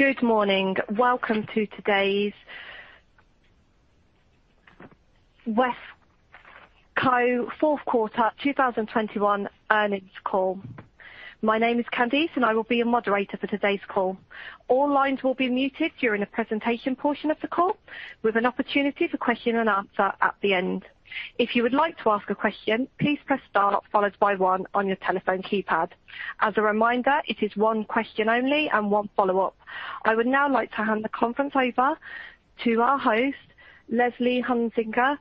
Good morning. Welcome to today's WESCO fourth quarter 2021 earnings call. My name is Candice, and I will be your moderator for today's call. All lines will be muted during the presentation portion of the call, with an opportunity for question and answer at the end. If you would like to ask a question, please press star followed by one on your telephone keypad. As a reminder, it is one question only and one follow-up. I would now like to hand the conference over to our host, Leslie Hunziker,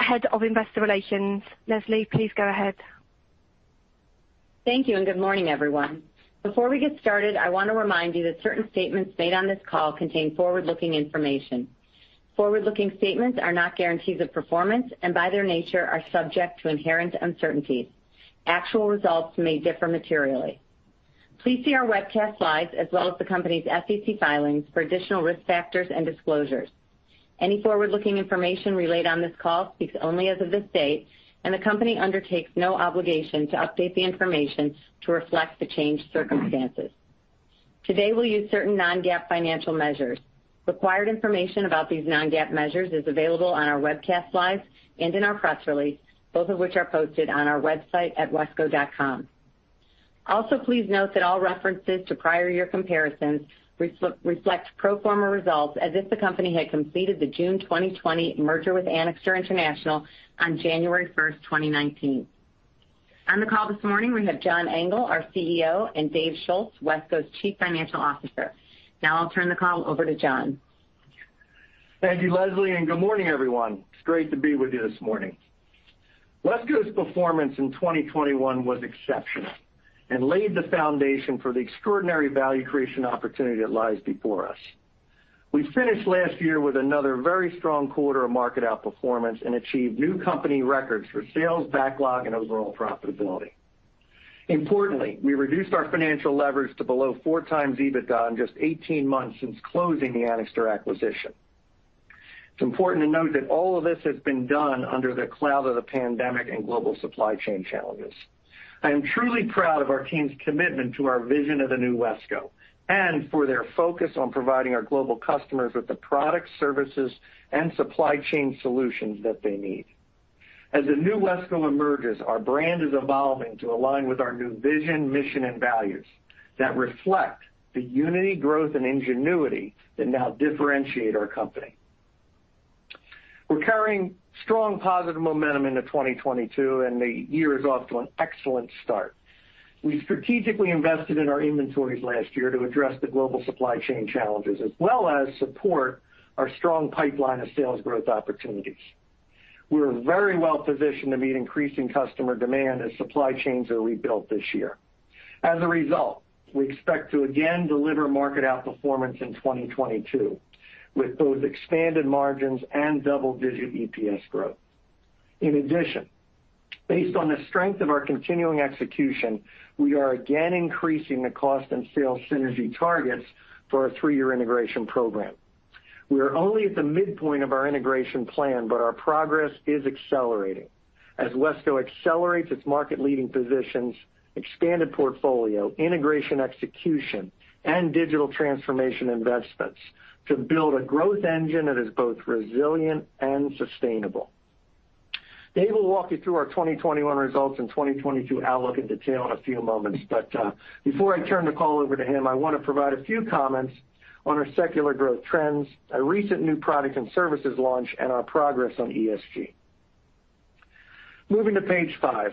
Head of Investor Relations. Leslie, please go ahead. Thank you, and good morning, everyone. Before we get started, I wanna remind you that certain statements made on this call contain forward-looking information. Forward-looking statements are not guarantees of performance, and by their nature are subject to inherent uncertainties. Actual results may differ materially. Please see our webcast slides as well as the company's SEC filings for additional risk factors and disclosures. Any forward-looking information relayed on this call speaks only as of this date, and the company undertakes no obligation to update the information to reflect the changed circumstances. Today, we'll use certain non-GAAP financial measures. Required information about these non-GAAP measures is available on our webcast slides and in our press release, both of which are posted on our website at wesco.com. Also, please note that all references to prior-year comparisons reflect pro forma results as if the company had completed the June 2020 merger with Anixter International on January 1, 2019. On the call this morning, we have John Engel, our CEO, and Dave Schulz, WESCO's Chief Financial Officer. Now I'll turn the call over to John. Thank you, Leslie, and good morning, everyone. It's great to be with you this morning. WESCO's performance in 2021 was exceptional and laid the foundation for the extraordinary value creation opportunity that lies before us. We finished last year with another very strong quarter of market outperformance and achieved new company records for sales, backlog, and overall profitability. Importantly, we reduced our financial leverage to below 4x EBITDA in just 18 months since closing the Anixter acquisition. It's important to note that all of this has been done under the cloud of the pandemic and global supply chain challenges. I am truly proud of our team's commitment to our vision of the new WESCO, and for their focus on providing our global customers with the products, services, and supply chain solutions that they need. As the new WESCO emerges, our brand is evolving to align with our new vision, mission, and values that reflect the unity, growth, and ingenuity that now differentiate our company. We're carrying strong positive momentum into 2022, and the year is off to an excellent start. We strategically invested in our inventories last year to address the global supply chain challenges as well as support our strong pipeline of sales growth opportunities. We're very well positioned to meet increasing customer demand as supply chains are rebuilt this year. As a result, we expect to again deliver market outperformance in 2022, with both expanded margins and double-digit EPS growth. In addition, based on the strength of our continuing execution, we are again increasing the cost and sales synergy targets for our three-year integration program. We are only at the midpoint of our integration plan, but our progress is accelerating as WESCO accelerates its market-leading positions, expanded portfolio, integration execution, and digital transformation investments to build a growth engine that is both resilient and sustainable. Dave will walk you through our 2021 results and 2022 outlook in detail in a few moments. Before I turn the call over to him, I wanna provide a few comments on our secular growth trends, a recent new product and services launch, and our progress on ESG. Moving to page five.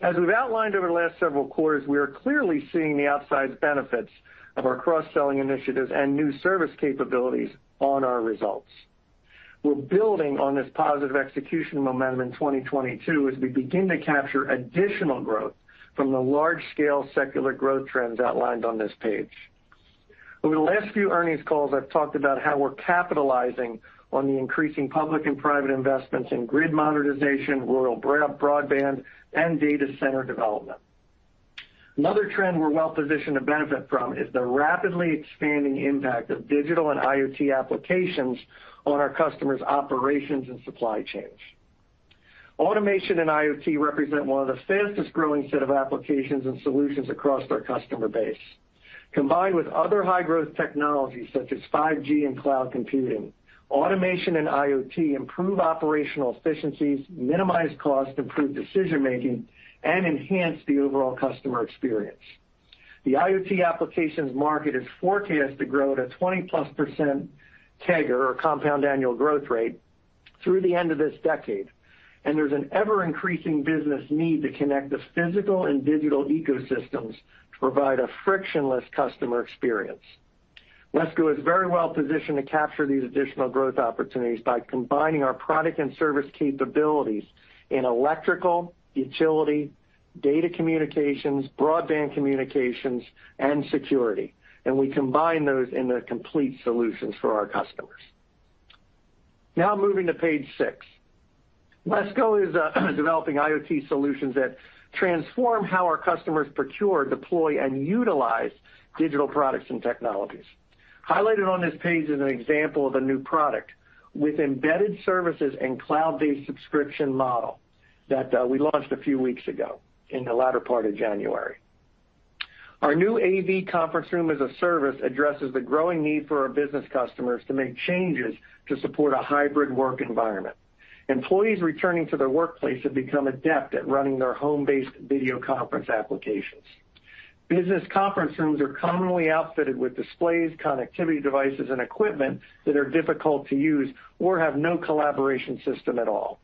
As we've outlined over the last several quarters, we are clearly seeing the outsized benefits of our cross-selling initiatives and new service capabilities on our results. We're building on this positive execution momentum in 2022 as we begin to capture additional growth from the large-scale secular growth trends outlined on this page. Over the last few earnings calls, I've talked about how we're capitalizing on the increasing public and private investments in grid modernization, rural broadband, and data center development. Another trend we're well-positioned to benefit from is the rapidly expanding impact of digital and IoT applications on our customers' operations and supply chains. Automation and IoT represent one of the fastest-growing set of applications and solutions across our customer base. Combined with other high-growth technologies such as 5G and cloud computing, automation and IoT improve operational efficiencies, minimize cost, improve decision-making, and enhance the overall customer experience. The IoT applications market is forecast to grow at a 20%+ CAGR, or compound annual growth rate, through the end of this decade, and there's an ever-increasing business need to connect the physical and digital ecosystems to provide a frictionless customer experience. WESCO is very well positioned to capture these additional growth opportunities by combining our product and service capabilities in electrical, utility, data communications, broadband communications, and security. We combine those into complete solutions for our customers. Now moving to page six. WESCO is developing IoT solutions that transform how our customers procure, deploy, and utilize digital products and technologies. Highlighted on this page is an example of a new product with embedded services and cloud-based subscription model that we launched a few weeks ago in the latter part of January. Our new AV conference room as-a-service addresses the growing need for our business customers to make changes to support a hybrid work environment. Employees returning to the workplace have become adept at running their home-based video conference applications. Business conference rooms are commonly outfitted with displays, connectivity devices and equipment that are difficult to use or have no collaboration system at all.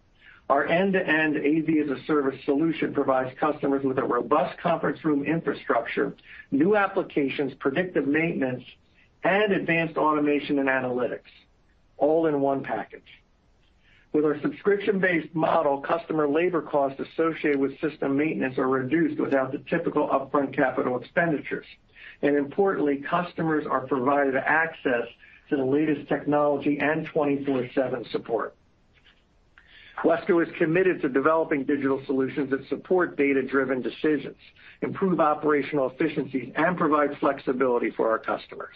Our end-to-end AV as a service solution provides customers with a robust conference room infrastructure, new applications, predictive maintenance, and advanced automation and analytics, all in one package. With our subscription-based model, customer labor costs associated with system maintenance are reduced without the typical upfront capital expenditures. Importantly, customers are provided access to the latest technology and 24/7 support. WESCO is committed to developing digital solutions that support data-driven decisions, improve operational efficiencies, and provide flexibility for our customers.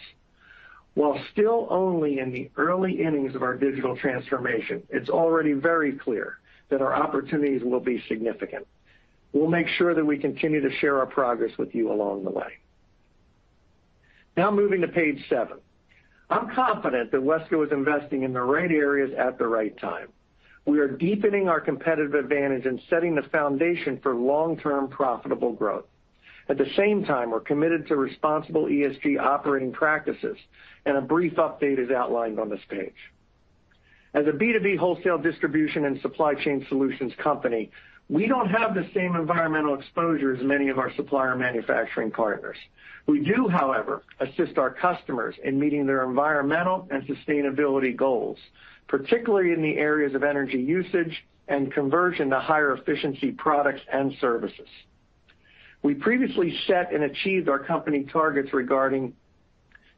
While still only in the early innings of our digital transformation, it's already very clear that our opportunities will be significant. We'll make sure that we continue to share our progress with you along the way. Now moving to page seven. I'm confident that WESCO is investing in the right areas at the right time. We are deepening our competitive advantage and setting the foundation for long-term profitable growth. At the same time, we're committed to responsible ESG operating practices, and a brief update is outlined on this page. As a B2B wholesale distribution and supply chain solutions company, we don't have the same environmental exposure as many of our supplier and manufacturing partners. We do, however, assist our customers in meeting their environmental and sustainability goals, particularly in the areas of energy usage and conversion to higher efficiency products and services. We previously set and achieved our company targets regarding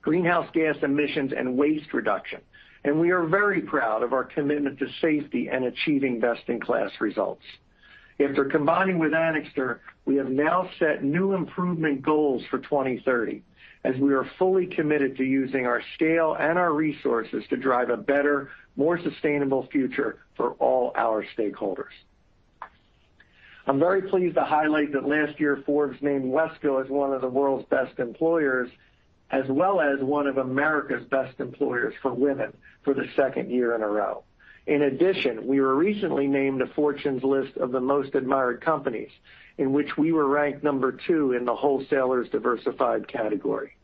greenhouse gas emissions and waste reduction, and we are very proud of our commitment to safety and achieving best-in-class results. After combining with Anixter, we have now set new improvement goals for 2030 as we are fully committed to using our scale and our resources to drive a better, more sustainable future for all our stakeholders. I'm very pleased to highlight that last year, Forbes named WESCO as one of the world's best employers, as well as one of America's best employers for women for the second year in a row. In addition, we were recently named to Fortune's list of the most admired companies in which we were ranked number two in the wholesalers' diversified category.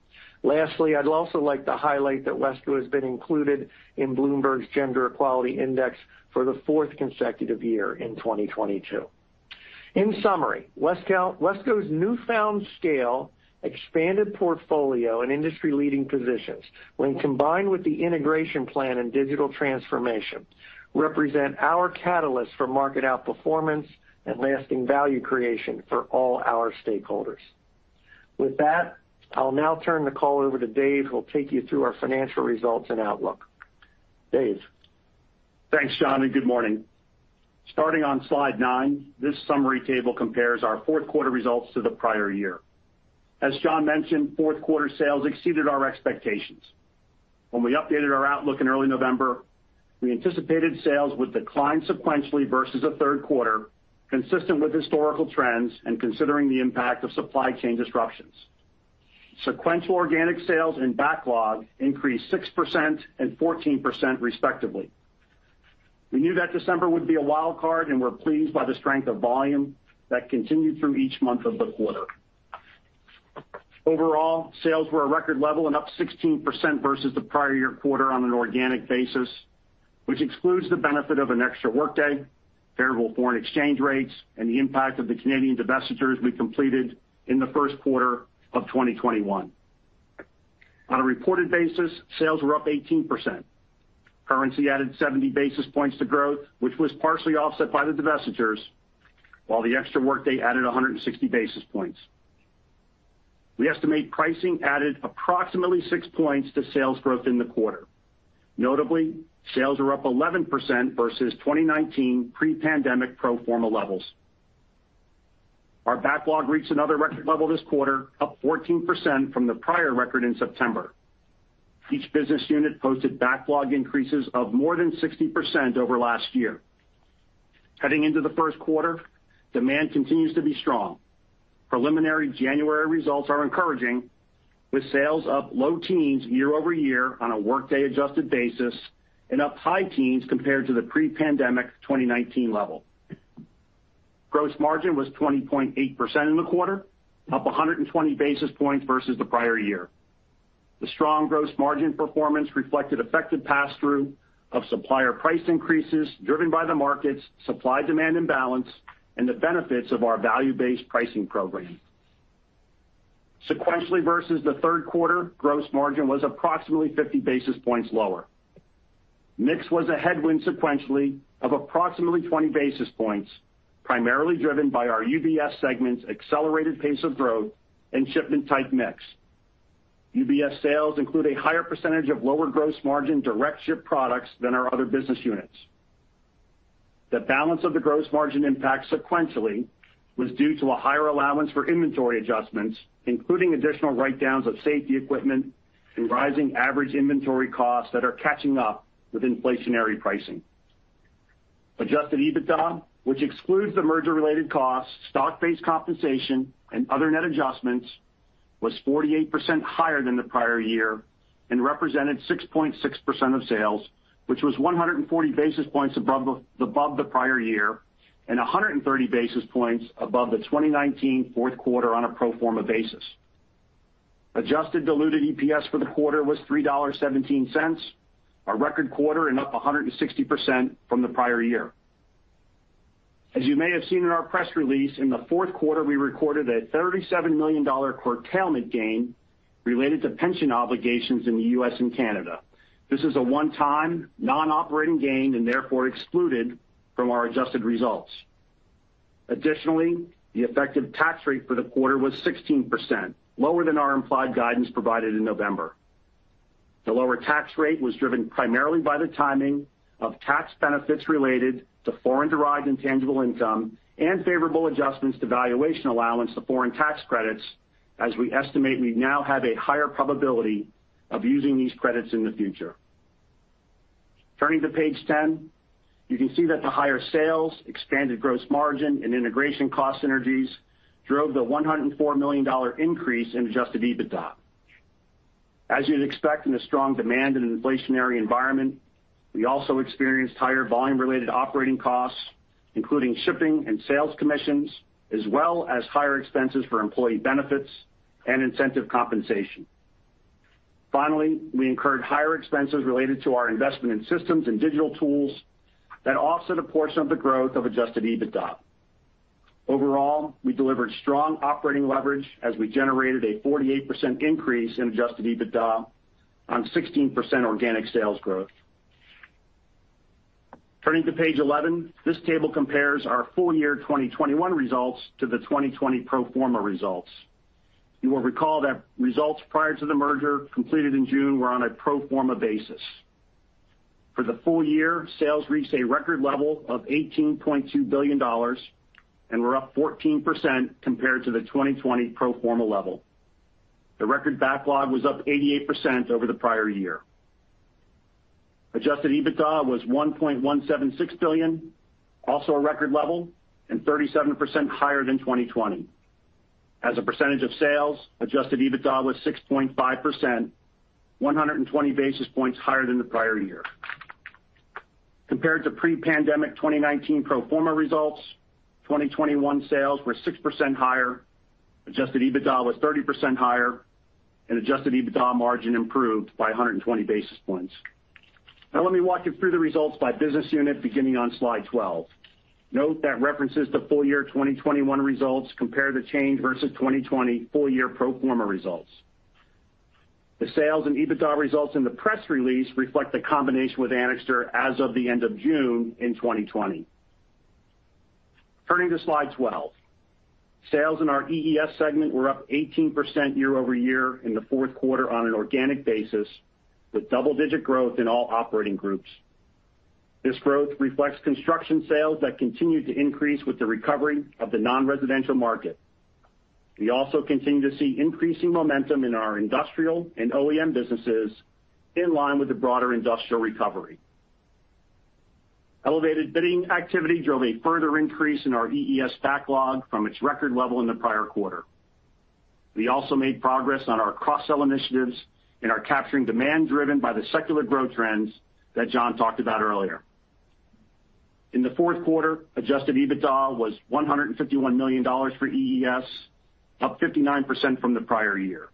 Lastly, I'd also like to highlight that WESCO has been included in Bloomberg's Gender-Equality Index for the fourth consecutive year in 2022. In summary, WESCO's newfound scale, expanded portfolio and industry-leading positions when combined with the integration plan and digital transformation, represent our catalyst for market outperformance and lasting value creation for all our stakeholders. With that, I'll now turn the call over to Dave, who will take you through our financial results and outlook. Dave? Thanks, John, and good morning. Starting on slide nine, this summary table compares our fourth quarter results to the prior year. As John mentioned, fourth quarter sales exceeded our expectations. When we updated our outlook in early November, we anticipated sales would decline sequentially versus the third quarter, consistent with historical trends and considering the impact of supply chain disruptions. Sequential organic sales and backlog increased 6% and 14%, respectively. We knew that December would be a wild card, and we're pleased by the strength of volume that continued through each month of the quarter. Overall, sales were a record level and up 16% versus the prior year quarter on an organic basis, which excludes the benefit of an extra workday, favorable foreign exchange rates, and the impact of the Canadian divestitures we completed in the first quarter of 2021. On a reported basis, sales were up 18%. Currency added 70 basis points to growth, which was partially offset by the divestitures, while the extra workday added 160 basis points. We estimate pricing added approximately 6 points to sales growth in the quarter. Notably, sales are up 11% versus 2019 pre-pandemic pro forma levels. Our backlog reached another record level this quarter, up 14% from the prior record in September. Each business unit posted backlog increases of more than 60% over last year. Heading into the first quarter, demand continues to be strong. Preliminary January results are encouraging, with sales up low teens year-over-year on a workday-adjusted basis and up high teens compared to the pre-pandemic 2019 level. Gross margin was 20.8% in the quarter, up 120 basis points versus the prior year. The strong gross margin performance reflected effective passthrough of supplier price increases driven by the market's supply-demand imbalance and the benefits of our value-based pricing program. Sequentially, versus the third quarter, gross margin was approximately 50 basis points lower. Mix was a headwind sequentially of approximately 20 basis points, primarily driven by our UBS segment's accelerated pace of growth and shipment-type mix. UBS sales include a higher percentage of lower gross margin direct-ship products than our other business units. The balance of the gross margin impact sequentially was due to a higher allowance for inventory adjustments, including additional write-downs of safety equipment and rising average inventory costs that are catching up with inflationary pricing. Adjusted EBITDA, which excludes the merger-related costs, stock-based compensation, and other net adjustments, was 48% higher than the prior year and represented 6.6% of sales, which was 140 basis points above the prior year and 130 basis points above the 2019 fourth quarter on a pro forma basis. Adjusted diluted EPS for the quarter was $3.17, a record quarter and up 160% from the prior year. As you may have seen in our press release, in the fourth quarter, we recorded a $37 million curtailment gain related to pension obligations in the U.S. and Canada. This is a one-time non-operating gain and therefore excluded from our adjusted results. Additionally, the effective tax rate for the quarter was 16%, lower than our implied guidance provided in November. The lower tax rate was driven primarily by the timing of tax benefits related to foreign-derived intangible income and favorable adjustments to valuation allowance to foreign tax credits as we estimate we now have a higher probability of using these credits in the future. Turning to page 10, you can see that the higher sales, expanded gross margin, and integration cost synergies drove the $104 million increase in adjusted EBITDA. As you'd expect in a strong demand and an inflationary environment, we also experienced higher volume-related operating costs, including shipping and sales commissions, as well as higher expenses for employee benefits and incentive compensation. Finally, we incurred higher expenses related to our investment in systems and digital tools that offset a portion of the growth of adjusted EBITDA. Overall, we delivered strong operating leverage as we generated a 48% increase in adjusted EBITDA on 16% organic sales growth. Turning to page 11, this table compares our full-year 2021 results to the 2020 pro forma results. You will recall that results prior to the merger completed in June were on a pro forma basis. For the full year, sales reached a record level of $18.2 billion and were up 14% compared to the 2020 pro forma level. The record backlog was up 88% over the prior year. Adjusted EBITDA was $1.176 billion, also a record level and 37% higher than 2020. As a percentage of sales, adjusted EBITDA was 6.5%, 120 basis points higher than the prior year. Compared to pre-pandemic 2019 pro forma results, 2021 sales were 6% higher, adjusted EBITDA was 30% higher, and adjusted EBITDA margin improved by 120 basis points. Now let me walk you through the results by business unit beginning on slide 12. Note that references to full-year 2021 results compare the change versus 2020 full-year pro forma results. The sales and EBITDA results in the press release reflect the combination with Anixter as of the end of June 2020. Turning to slide 12. Sales in our EES segment were up 18% year-over-year in the fourth quarter on an organic basis, with double-digit growth in all operating groups. This growth reflects construction sales that continued to increase with the recovery of the non-residential market. We also continue to see increasing momentum in our industrial and OEM businesses in line with the broader industrial recovery. Elevated bidding activity drove a further increase in our EES backlog from its record level in the prior quarter. We also made progress on our cross-sell initiatives and are capturing demand driven by the secular growth trends that John talked about earlier. In the fourth quarter, adjusted EBITDA was $151 million for EES, up 59% from the prior year.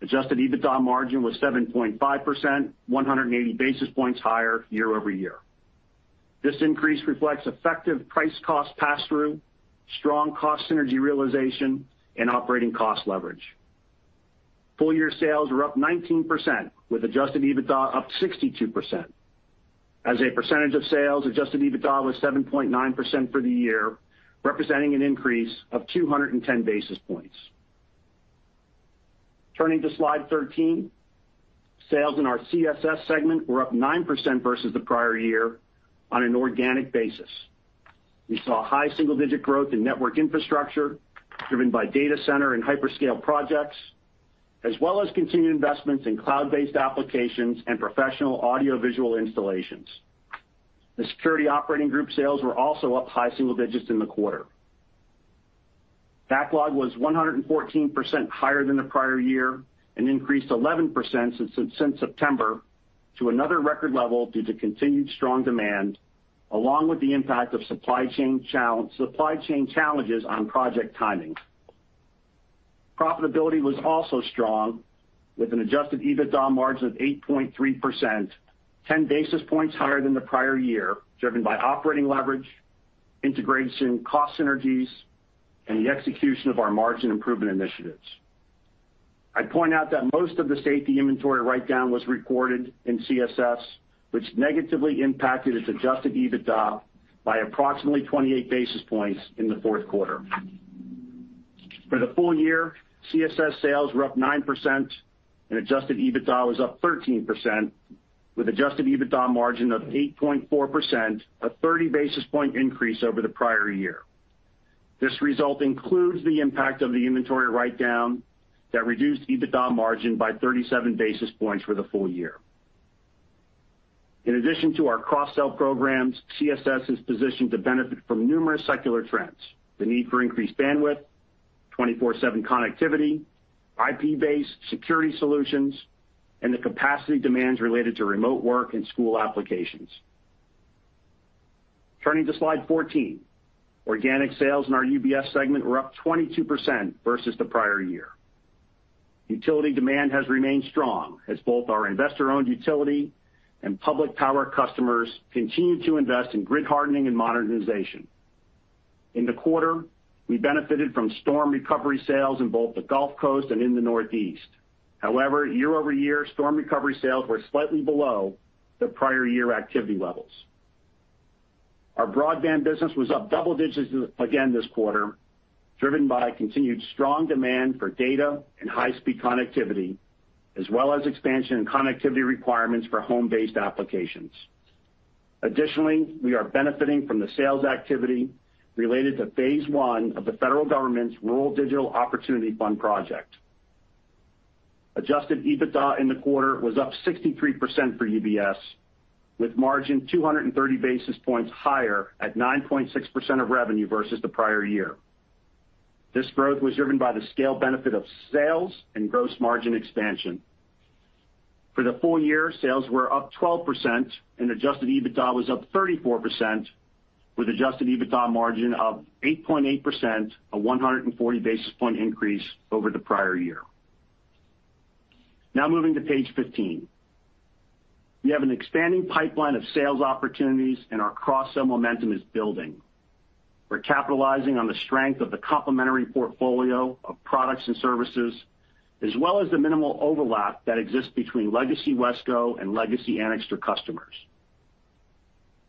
Adjusted EBITDA margin was 7.5%, 180 basis points higher year-over-year. This increase reflects effective price cost passthrough, strong cost synergy realization, and operating cost leverage. Full year sales were up 19% with adjusted EBITDA up 62%. As a percentage of sales, adjusted EBITDA was 7.9% for the year, representing an increase of 210 basis points. Turning to slide 13. Sales in our CSS segment were up 9% versus the prior year on an organic basis. We saw high single-digit growth in network infrastructure driven by data center and hyperscale projects, as well as continued investments in cloud-based applications and professional audiovisual installations. The security operating group sales were also up high single digits in the quarter. Backlog was 114% higher than the prior year and increased 11% since September to another record level due to continued strong demand, along with the impact of supply chain challenges on project timing. Profitability was also strong with an adjusted EBITDA margin of 8.3%, 10 basis points higher than the prior year, driven by operating leverage, integration, cost synergies, and the execution of our margin improvement initiatives. I'd point out that most of the safety inventory write-down was recorded in CSS, which negatively impacted its adjusted EBITDA by approximately 28 basis points in the fourth quarter. For the full year, CSS sales were up 9% and adjusted EBITDA was up 13% with adjusted EBITDA margin of 8.4%, a 30 basis points increase over the prior year. This result includes the impact of the inventory write-down that reduced EBITDA margin by 37 basis points for the full year. In addition to our cross-sell programs, CSS is positioned to benefit from numerous secular trends, the need for increased bandwidth, 24/7 connectivity, IP-based security solutions, and the capacity demands related to remote work and school applications. Turning to slide 14. Organic sales in our UBS segment were up 22% versus the prior year. Utility demand has remained strong as both our investor-owned utility and public power customers continue to invest in grid hardening and modernization. In the quarter, we benefited from storm recovery sales in both the Gulf Coast and in the Northeast. However, year-over-year, storm recovery sales were slightly below the prior year activity levels. Our broadband business was up double digits again this quarter, driven by continued strong demand for data and high-speed connectivity, as well as expansion and connectivity requirements for home-based applications. Additionally, we are benefiting from the sales activity related to phase one of the federal government's Rural Digital Opportunity Fund project. Adjusted EBITDA in the quarter was up 63% for UBS, with margin 230 basis points higher at 9.6% of revenue versus the prior year. This growth was driven by the scale benefit of sales and gross margin expansion. For the full year, sales were up 12% and adjusted EBITDA was up 34% with adjusted EBITDA margin of 8.8%, a 140 basis points increase over the prior year. Now moving to page 15. We have an expanding pipeline of sales opportunities and our cross-sell momentum is building. We're capitalizing on the strength of the complementary portfolio of products and services, as well as the minimal overlap that exists between legacy WESCO and legacy Anixter customers.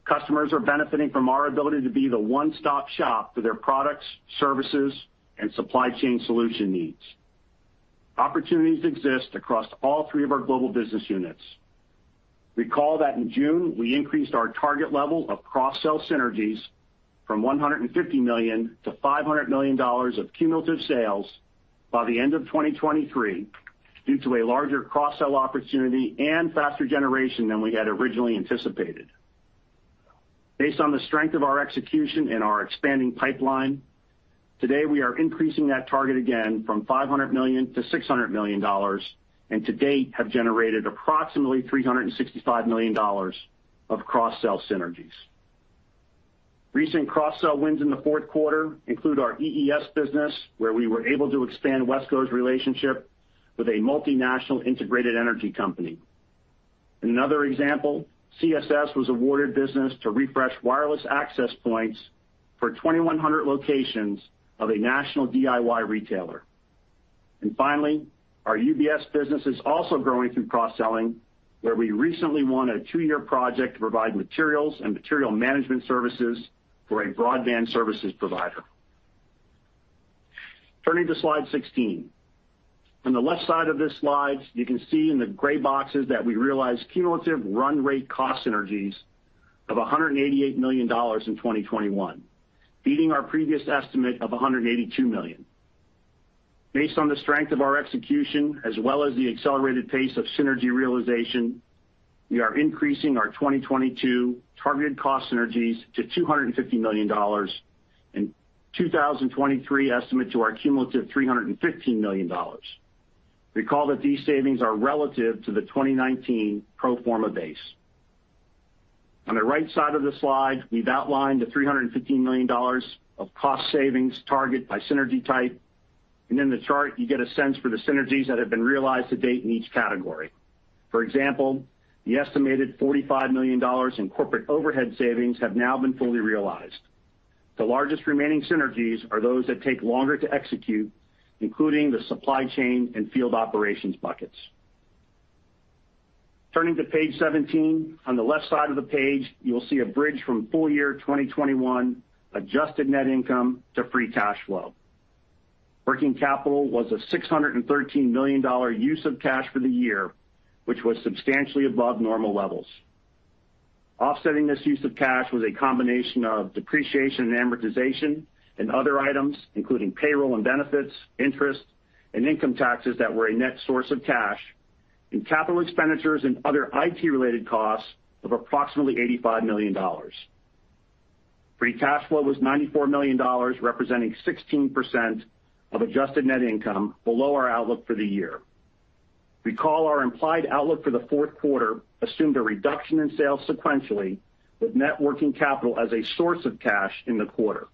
Customers are benefiting from our ability to be the one-stop-shop for their products, services, and supply chain solution needs. Opportunities exist across all three of our global business units. Recall that in June, we increased our target level of cross-sell synergies from $150 million to $500 million of cumulative sales by the end of 2023 due to a larger cross-sell opportunity and faster generation than we had originally anticipated. Based on the strength of our execution and our expanding pipeline, today we are increasing that target again from $500 million to $600 million, and to date have generated approximately $365 million of cross-sell synergies. Recent cross-sell wins in the fourth quarter include our EES business, where we were able to expand WESCO's relationship with a multinational integrated energy company. Another example, CSS was awarded business to refresh wireless access points for 2,100 locations of a national DIY retailer. Finally, our UBS business is also growing through cross-selling, where we recently won a two-year project to provide materials and material management services for a broadband services provider. Turning to slide 16. On the left side of this slide, you can see in the gray boxes that we realized cumulative run rate cost synergies of $188 million in 2021, beating our previous estimate of $182 million. Based on the strength of our execution as well as the accelerated pace of synergy realization, we are increasing our 2022 targeted cost synergies to $250 million and 2023 estimate to our cumulative $315 million. Recall that these savings are relative to the 2019 pro forma base. On the right side of the slide, we've outlined the $315 million of cost savings target by synergy type, and in the chart you get a sense for the synergies that have been realized to date in each category. For example, the estimated $45 million in corporate overhead savings have now been fully realized. The largest remaining synergies are those that take longer to execute, including the supply chain and field operations buckets. Turning to page 17. On the left side of the page, you will see a bridge from full-year 2021 adjusted net income to free cash flow. Working capital was a $613 million use of cash for the year, which was substantially above normal levels. Offsetting this use of cash was a combination of depreciation and amortization and other items, including payroll and benefits, interest, and income taxes that were a net source of cash, and capital expenditures and other IT-related costs of approximately $85 million. Free cash flow was $94 million, representing 16% of adjusted net income below our outlook for the year. Recall our implied outlook for the fourth quarter assumed a reduction in sales sequentially, with net working capital as a source of cash in the quarter.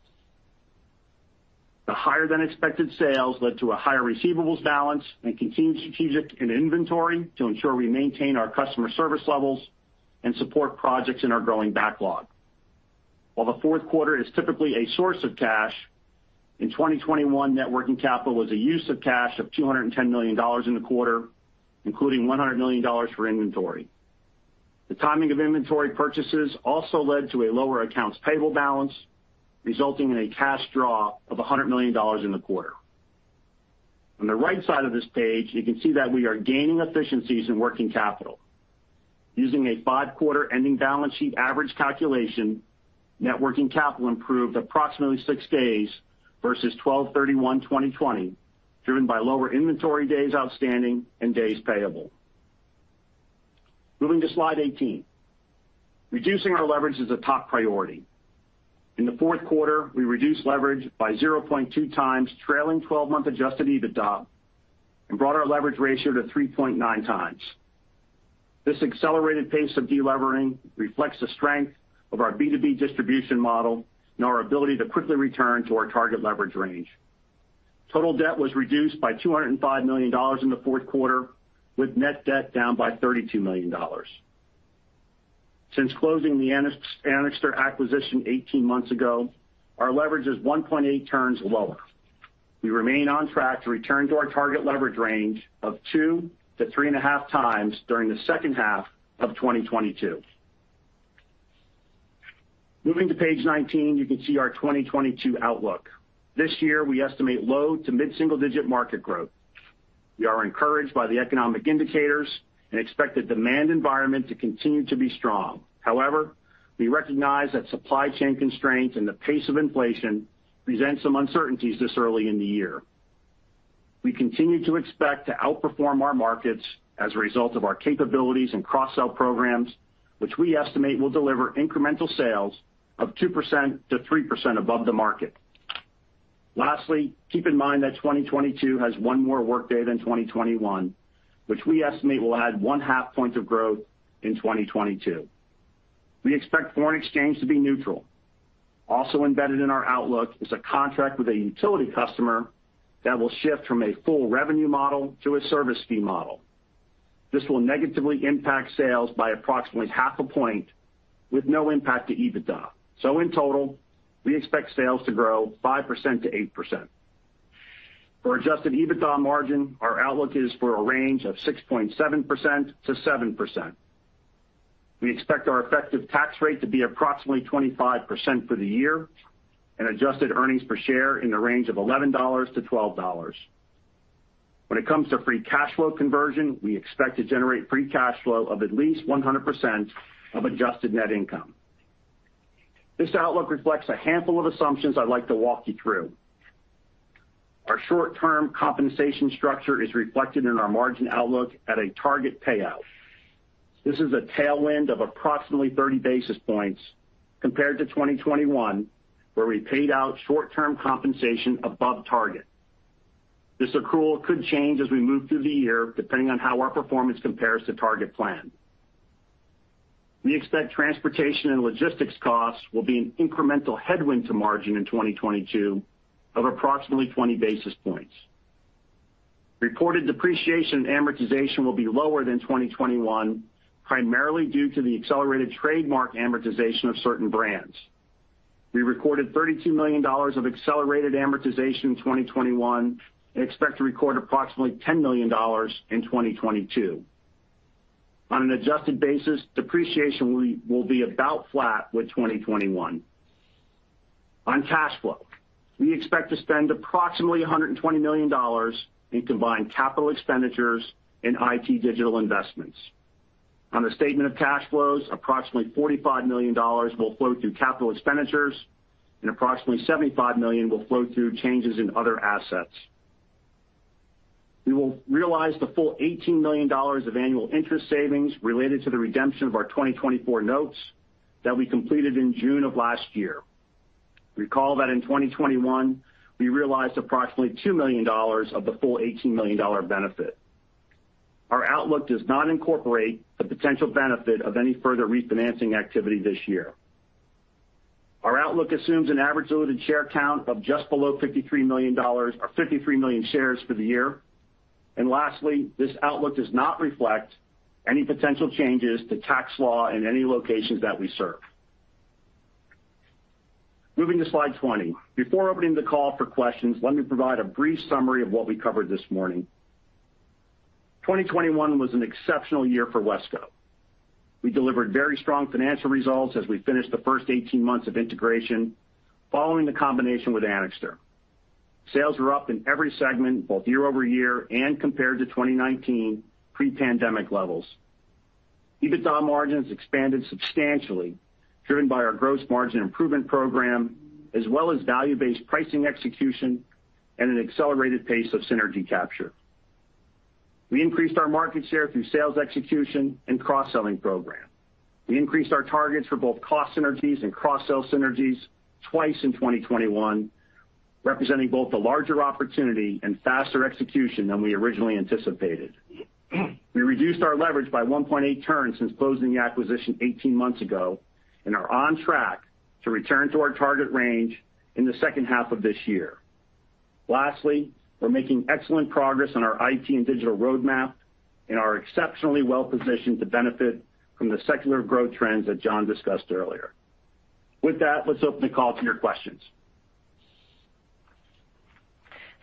The higher-than-expected sales led to a higher receivables balance and continued strategic investment in inventory to ensure we maintain our customer service levels and support projects in our growing backlog. While the fourth quarter is typically a source of cash, in 2021 net working capital was a use of cash of $210 million in the quarter, including $100 million for inventory. The timing of inventory purchases also led to a lower accounts payable balance, resulting in a cash draw of $100 million in the quarter. On the right side of this page, you can see that we are gaining efficiencies in working capital. Using a five-quarter ending balance sheet average calculation, net working capital improved approximately six days versus 12/31/2020, driven by lower inventory days outstanding and days payable. Moving to slide 18. Reducing our leverage is a top priority. In the fourth quarter, we reduced leverage by 0.2x trailing 12-month adjusted EBITDA and brought our leverage ratio to 3.9x. This accelerated pace of delevering reflects the strength of our B2B distribution model and our ability to quickly return to our target leverage range. Total debt was reduced by $205 million in the fourth quarter, with net debt down by $32 million. Since closing the Anixter acquisition 18 months ago, our leverage is 1.8 turns lower. We remain on track to return to our target leverage range of 2x-3.5x during the second half of 2022. Moving to page 19, you can see our 2022 outlook. This year, we estimate low- to mid-single-digit market growth. We are encouraged by the economic indicators and expect the demand environment to continue to be strong. However, we recognize that supply chain constraints and the pace of inflation present some uncertainties this early in the year. We continue to expect to outperform our markets as a result of our capabilities and cross-sell programs, which we estimate will deliver incremental sales of 2%-3% above the market. Lastly, keep in mind that 2022 has one more workday than 2021, which we estimate will add 0.5 point of growth in 2022. We expect foreign exchange to be neutral. Also embedded in our outlook is a contract with a utility customer that will shift from a full revenue model to a service fee model. This will negatively impact sales by approximately 0.5 point with no impact to EBITDA. In total, we expect sales to grow 5%-8%. For adjusted EBITDA margin, our outlook is for a range of 6.7%-7%. We expect our effective tax rate to be approximately 25% for the year and adjusted earnings per share in the range of $11-$12. When it comes to free cash flow conversion, we expect to generate free cash flow of at least 100% of adjusted net income. This outlook reflects a handful of assumptions I'd like to walk you through. Our short-term compensation structure is reflected in our margin outlook at a target payout. This is a tailwind of approximately 30 basis points compared to 2021, where we paid out short-term compensation above target. This accrual could change as we move through the year, depending on how our performance compares to target plan. We expect transportation and logistics costs will be an incremental headwind to margin in 2022 of approximately 20 basis points. Reported depreciation and amortization will be lower than 2021, primarily due to the accelerated trademark amortization of certain brands. We recorded $32 million of accelerated amortization in 2021 and expect to record approximately $10 million in 2022. On an adjusted basis, depreciation will be about flat with 2021. On cash flow, we expect to spend approximately $120 million in combined capital expenditures and IT digital investments. On the statement of cash flows, approximately $45 million will flow through capital expenditures, and approximately $75 million will flow through changes in other assets. We will realize the full $18 million of annual interest savings related to the redemption of our 2024 notes that we completed in June of last year. Recall that in 2021, we realized approximately $2 million of the full $18 million benefit. Our outlook does not incorporate the potential benefit of any further refinancing activity this year. Our outlook assumes an average diluted share count of just below $53 million— or 53 million shares for the year. Lastly, this outlook does not reflect any potential changes to tax law in any locations that we serve. Moving to slide 20. Before opening the call for questions, let me provide a brief summary of what we covered this morning. 2021 was an exceptional year for WESCO. We delivered very strong financial results as we finished the first 18 months of integration following the combination with Anixter. Sales were up in every segment, both year-over-year and compared to 2019 pre-pandemic levels. EBITDA margins expanded substantially, driven by our gross margin improvement program as well as value-based pricing execution and an accelerated pace of synergy capture. We increased our market share through sales execution and cross-selling program. We increased our targets for both cost synergies and cross-sell synergies twice in 2021, representing both a larger opportunity and faster execution than we originally anticipated. We reduced our leverage by 1.8 turns since closing the acquisition 18 months ago and are on track to return to our target range in the second half of this year. Lastly, we're making excellent progress on our IT and digital roadmap and are exceptionally well-positioned to benefit from the secular growth trends that John discussed earlier. With that, let's open the call to your questions.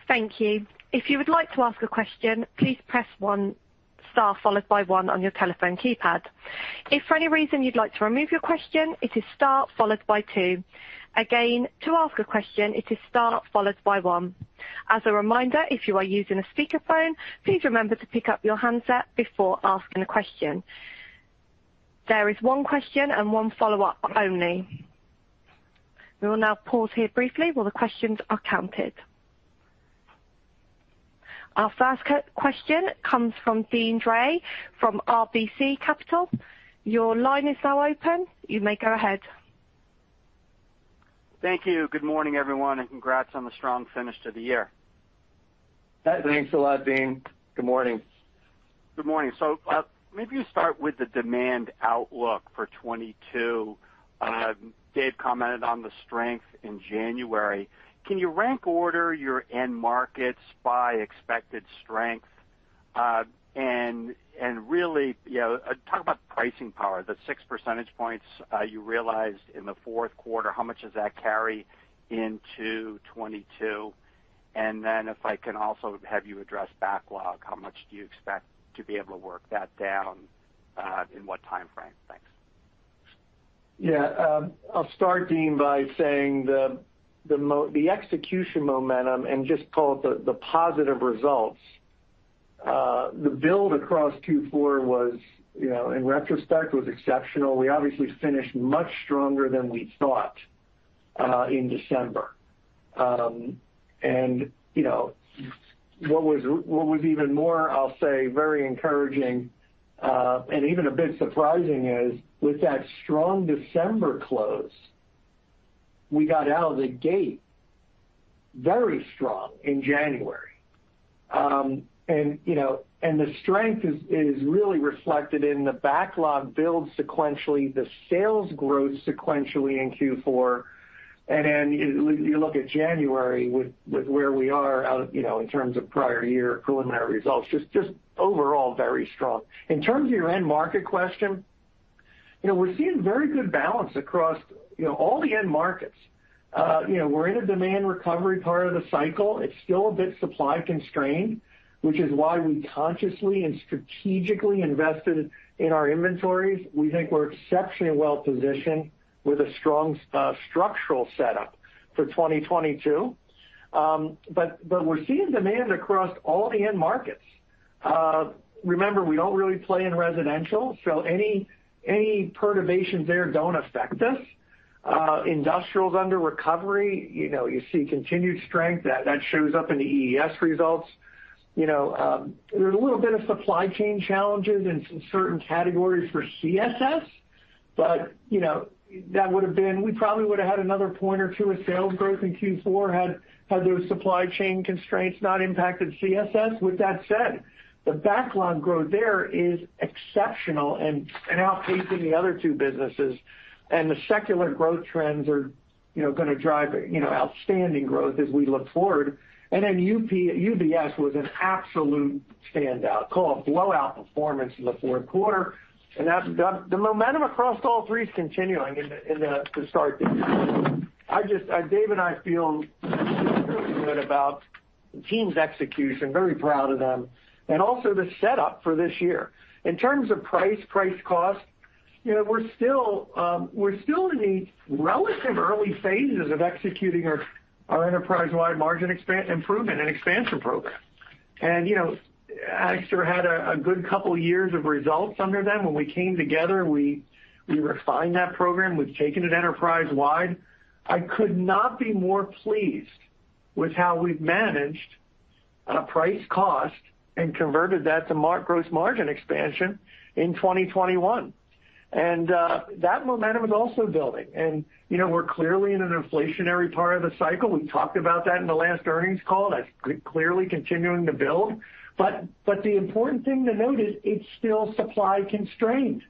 Thank you. If you would like to ask a question, please press star followed by one on your telephone keypad. If, for any reason, you would like to remove your question, it is star followed by two. Again, to ask a question, it is star followed by one. As a reminder, if you are using a speakerphone, please remember to pick up your handset before asking a question. There is one question and one follow-up only. We will now pause here briefly while the questions are counted. Our first question comes from Deane Dray from RBC Capital. Your line is now open. You may go ahead. Thank you. Good morning, everyone, and congrats on the strong finish to the year. Thanks a lot, Deane. Good morning. Good morning. Maybe you start with the demand outlook for 2022. Dave commented on the strength in January. Can you rank order your end markets by expected strength and really, you know, talk about pricing power, the 6 percentage points you realized in the fourth quarter, how much does that carry into 2022? If I can also have you address backlog, how much do you expect to be able to work that down in what time frame? Thanks. Yeah. I'll start, Deane, by saying the execution momentum and just call it the positive results. The build across Q4 was, you know, in retrospect, exceptional. We obviously finished much stronger than we thought in December. What was even more, I'll say, very encouraging and even a bit surprising is with that strong December close, we got out of the gate very strong in January. The strength is really reflected in the backlog build sequentially, the sales growth sequentially in Q4. Then you look at January with where we are out, you know, in terms of prior year preliminary results, overall very strong. In terms of your end-market question, you know, we're seeing very good balance across all the end markets. You know, we're in a demand recovery part of the cycle. It's still a bit supply-constrained, which is why we consciously and strategically invested in our inventories. We think we're exceptionally well positioned with a strong structural setup for 2022. We're seeing demand across all the end markets. Remember, we don't really play in residential, so any perturbations there don't affect us. Industrial is under recovery. You know, you see continued strength that shows up in the EES results. You know, there's a little bit of supply chain challenges in certain categories for CSS, but you know, we probably would have had another point or two of sales growth in Q4 had those supply chain constraints not impacted CSS. With that said, the backlog growth there is exceptional and outpacing the other two businesses. The secular growth trends are, you know, gonna drive, you know, outstanding growth as we look forward. UBS was an absolute standout. Call it blowout performance in the fourth quarter. The momentum across all three is continuing in the start of this year. Dave and I feel really good about the team's execution, very proud of them, and also the setup for this year. In terms of price, price cost, you know, we're still in the relatively early phases of executing our enterprise-wide margin improvement and expansion program. You know, Anixter had a good couple of years of results under them. When we came together, and we refined that program. We've taken it enterprise-wide. I could not be more pleased with how we've managed price cost and converted that to gross margin expansion in 2021. That momentum is also building. You know, we're clearly in an inflationary part of the cycle. We talked about that in the last earnings call. That's clearly continuing to build. But the important thing to note is it's still supply-constrained,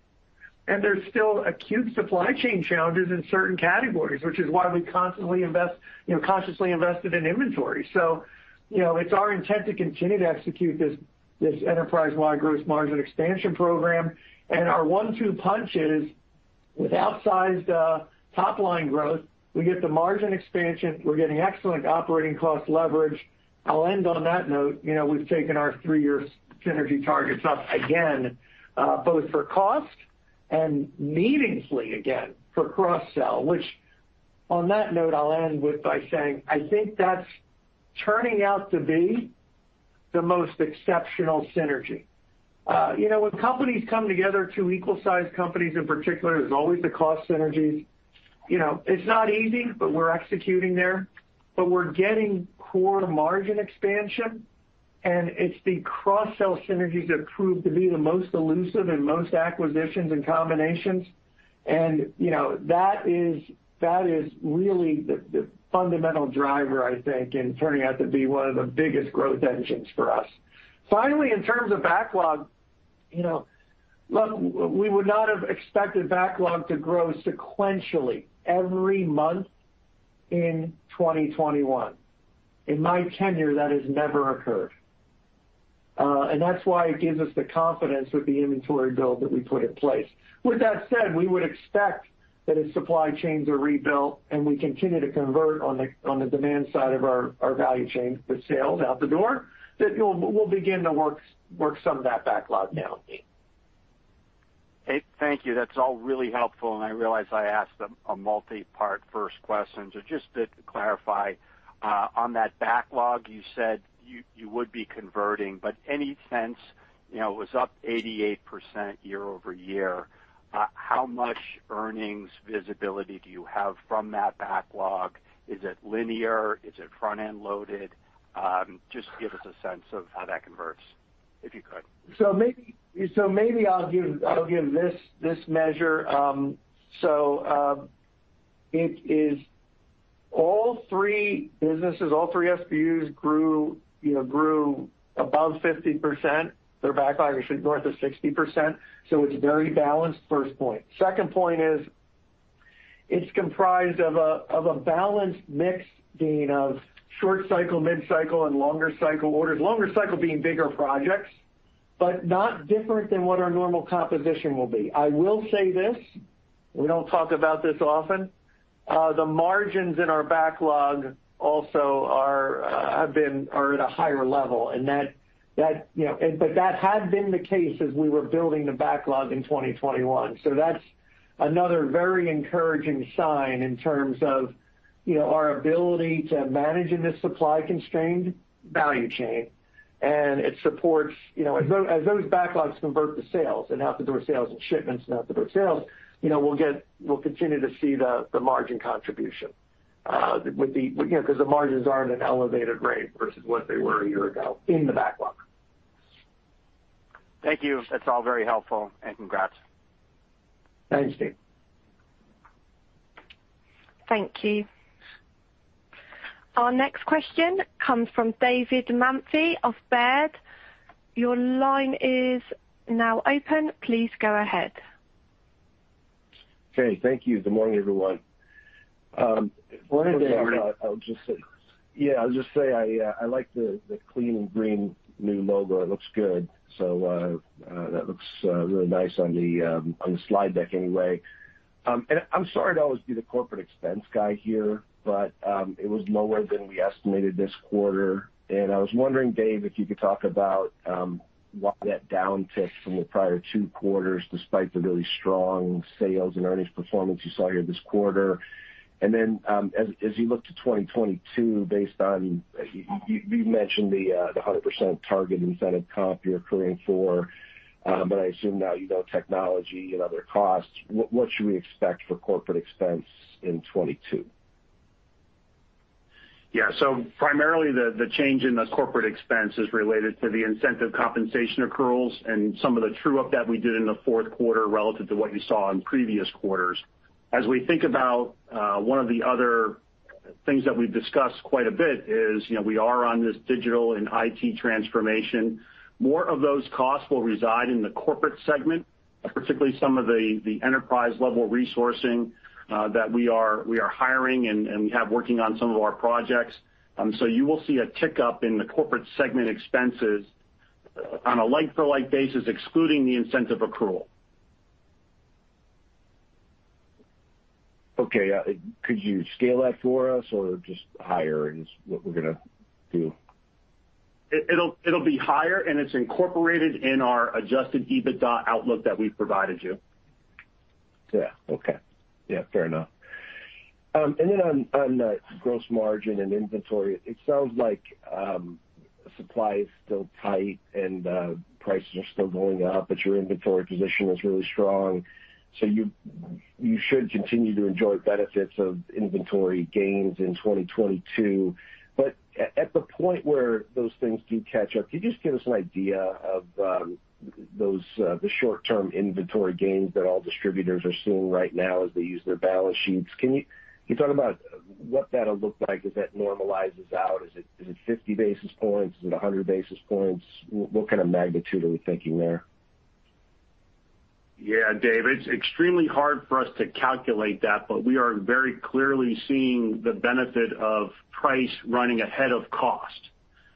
and there's still acute supply chain challenges in certain categories, which is why we constantly invest, you know, consciously invested in inventory. You know, it's our intent to continue to execute this enterprise-wide gross margin expansion program. Our one-two punch is, with outsized top line growth, we get the margin expansion. We're getting excellent operating cost leverage. I'll end on that note. You know, we've taken our three-year synergy targets up again, both for cost and meaningfully again for cross-sell, which on that note, I'll end with by saying I think that's turning out to be the most exceptional synergy. You know, when companies come together, two equal-sized companies in particular, there's always the cost synergies. You know, it's not easy, but we're executing there. But we're getting core margin expansion, and it's the cross-sell synergies that prove to be the most elusive in most acquisitions and combinations. You know, that is really the fundamental driver, I think, in turning out to be one of the biggest growth engines for us. Finally, in terms of backlog, you know, look, we would not have expected backlog to grow sequentially every month in 2021. In my tenure, that has never occurred. That's why it gives us the confidence with the inventory build that we put in place. With that said, we would expect that as supply chains are rebuilt and we continue to convert on the demand side of our value chain, the sales out the door, that we'll begin to work some of that backlog down, Deane. Hey, thank you. That's all really helpful, and I realize I asked a multi-part first question. Just to clarify, on that backlog, you said you would be converting, but any sense, you know, it was up 88% year-over-year. How much earnings visibility do you have from that backlog? Is it linear? Is it front-end loaded? Just give us a sense of how that converts, if you could. Maybe I'll give this measure. It is all three businesses, all three SBUs grew, you know, above 50%. Their backlog is north of 60%, so it's very balanced, first point. Second point is it's comprised of a balanced mix, Deane, of short-cycle, mid-cycle, and longer-cycle orders. Longer cycle being bigger projects, not different than what our normal composition will be. I will say this, we don't talk about this often. The margins in our backlog also are at a higher level, and that, you know, had been the case as we were building the backlog in 2021. That's another very encouraging sign in terms of, you know, our ability to manage in this supply-constrained value chain. It supports, you know, as those backlogs convert to sales and out-the-door sales and shipments, you know, we'll continue to see the margin contribution, with the, you know, 'cause the margins are at an elevated rate versus what they were a year ago in the backlog. Thank you. That's all very helpful, and congrats. Thanks, Deane. Thank you. Our next question comes from David Manthey of Baird. Your line is now open. Please go ahead. Okay, thank you. Good morning, everyone. Good morning. I'll just say I like the clean and green new logo. It looks good. That looks really nice on the slide deck anyway. I'm sorry to always be the corporate expense guy here, but it was lower than we estimated this quarter. I was wondering, Dave, if you could talk about why that downticked from the prior two quarters despite the really strong sales and earnings performance you saw here this quarter. As you look to 2022, based on you mentioned the 100% target incentive comp you're accruing for. But I assume now, you know, technology and other costs, what should we expect for corporate expense in 2022? Yeah. Primarily the change in the corporate expense is related to the incentive compensation accruals and some of the true-up that we did in the fourth quarter relative to what you saw in previous quarters. As we think about, one of the other things that we've discussed quite a bit is, you know, we are on this digital and IT transformation. More of those costs will reside in the corporate segment, particularly some of the enterprise-level resourcing that we are hiring and we have working on some of our projects. You will see a tick-up in the corporate segment expenses on a like-for-like basis, excluding the incentive accrual. Okay. Could you scale that for us or just higher is what we're gonna do? It'll be higher, and it's incorporated in our adjusted EBITDA outlook that we've provided you. Yeah. Okay. Yeah, fair enough. On gross margin and inventory, it sounds like supply is still tight and prices are still going up, but your inventory position is really strong, so you should continue to enjoy benefits of inventory gains in 2022. At the point where those things do catch up, can you just give us an idea of those, the short-term inventory gains that all distributors are seeing right now as they use their balance sheets? Can you talk about what that'll look like as that normalizes out? Is it 50 basis points? Is it 100 basis points? What kind of magnitude are we thinking there? Yeah. Dave, it's extremely hard for us to calculate that, but we are very clearly seeing the benefit of price running ahead of cost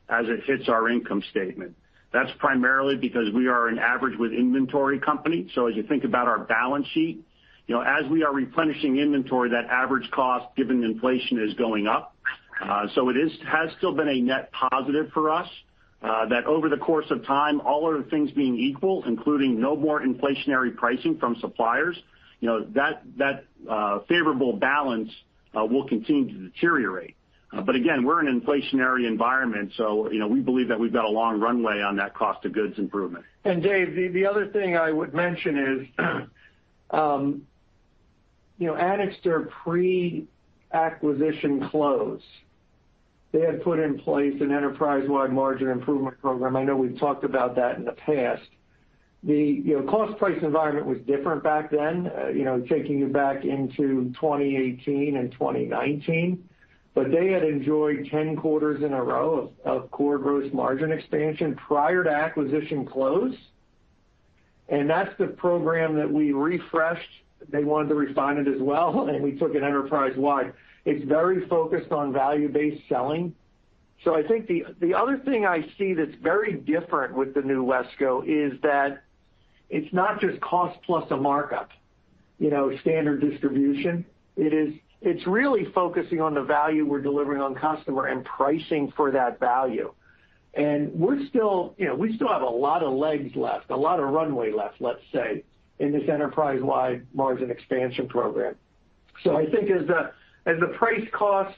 as it hits our income statement. That's primarily because we are an average cost inventory company. As you think about our balance sheet, you know, as we are replenishing inventory, that average cost given inflation is going up. It has still been a net positive for us that over the course of time, all other things being equal, including no more inflationary pricing from suppliers, you know, that favorable balance will continue to deteriorate. Again, we're in an inflationary environment, you know, we believe that we've got a long runway on that cost-of-goods improvement. Dave, the other thing I would mention is, you know, Anixter pre-acquisition close, they had put in place an enterprise-wide margin improvement program. I know we've talked about that in the past. You know, cost price environment was different back then, you know, taking you back into 2018 and 2019. They had enjoyed 10 quarters in a row of core gross margin expansion prior to acquisition close. That's the program that we refreshed. They wanted to refine it as well, and we took it enterprise-wide. It's very focused on value-based selling. I think the other thing I see that's very different with the new WESCO is that it's not just cost plus a markup, you know, standard distribution. It's really focusing on the value we're delivering on customer and pricing for that value. We're still, you know, we still have a lot of legs left, a lot of runway left, let's say, in this enterprise-wide margin expansion program. I think as the price-cost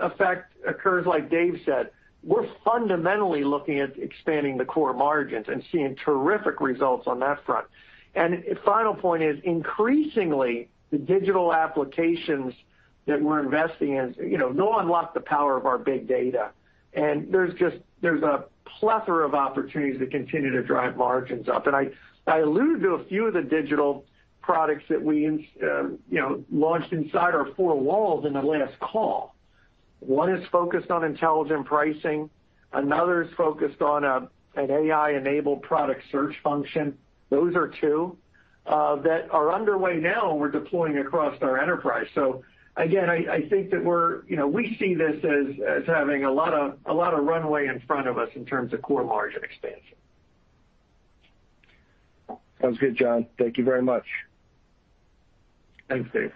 effect occurs, like Dave said, we're fundamentally looking at expanding the core margins and seeing terrific results on that front. Final point is, increasingly, the digital applications that we're investing in, you know, no one unlocks the power of our big data. There's just a plethora of opportunities that continue to drive margins up. I alluded to a few of the digital products that we, you know, launched inside our four walls in the last call. One is focused on intelligent pricing, another is focused on an AI-enabled product search function. Those are two that are underway now and we're deploying across our enterprise. Again, I think that we're, you know, we see this as having a lot of runway in front of us in terms of core margin expansion. Sounds good, John. Thank you very much. Thanks, Dave.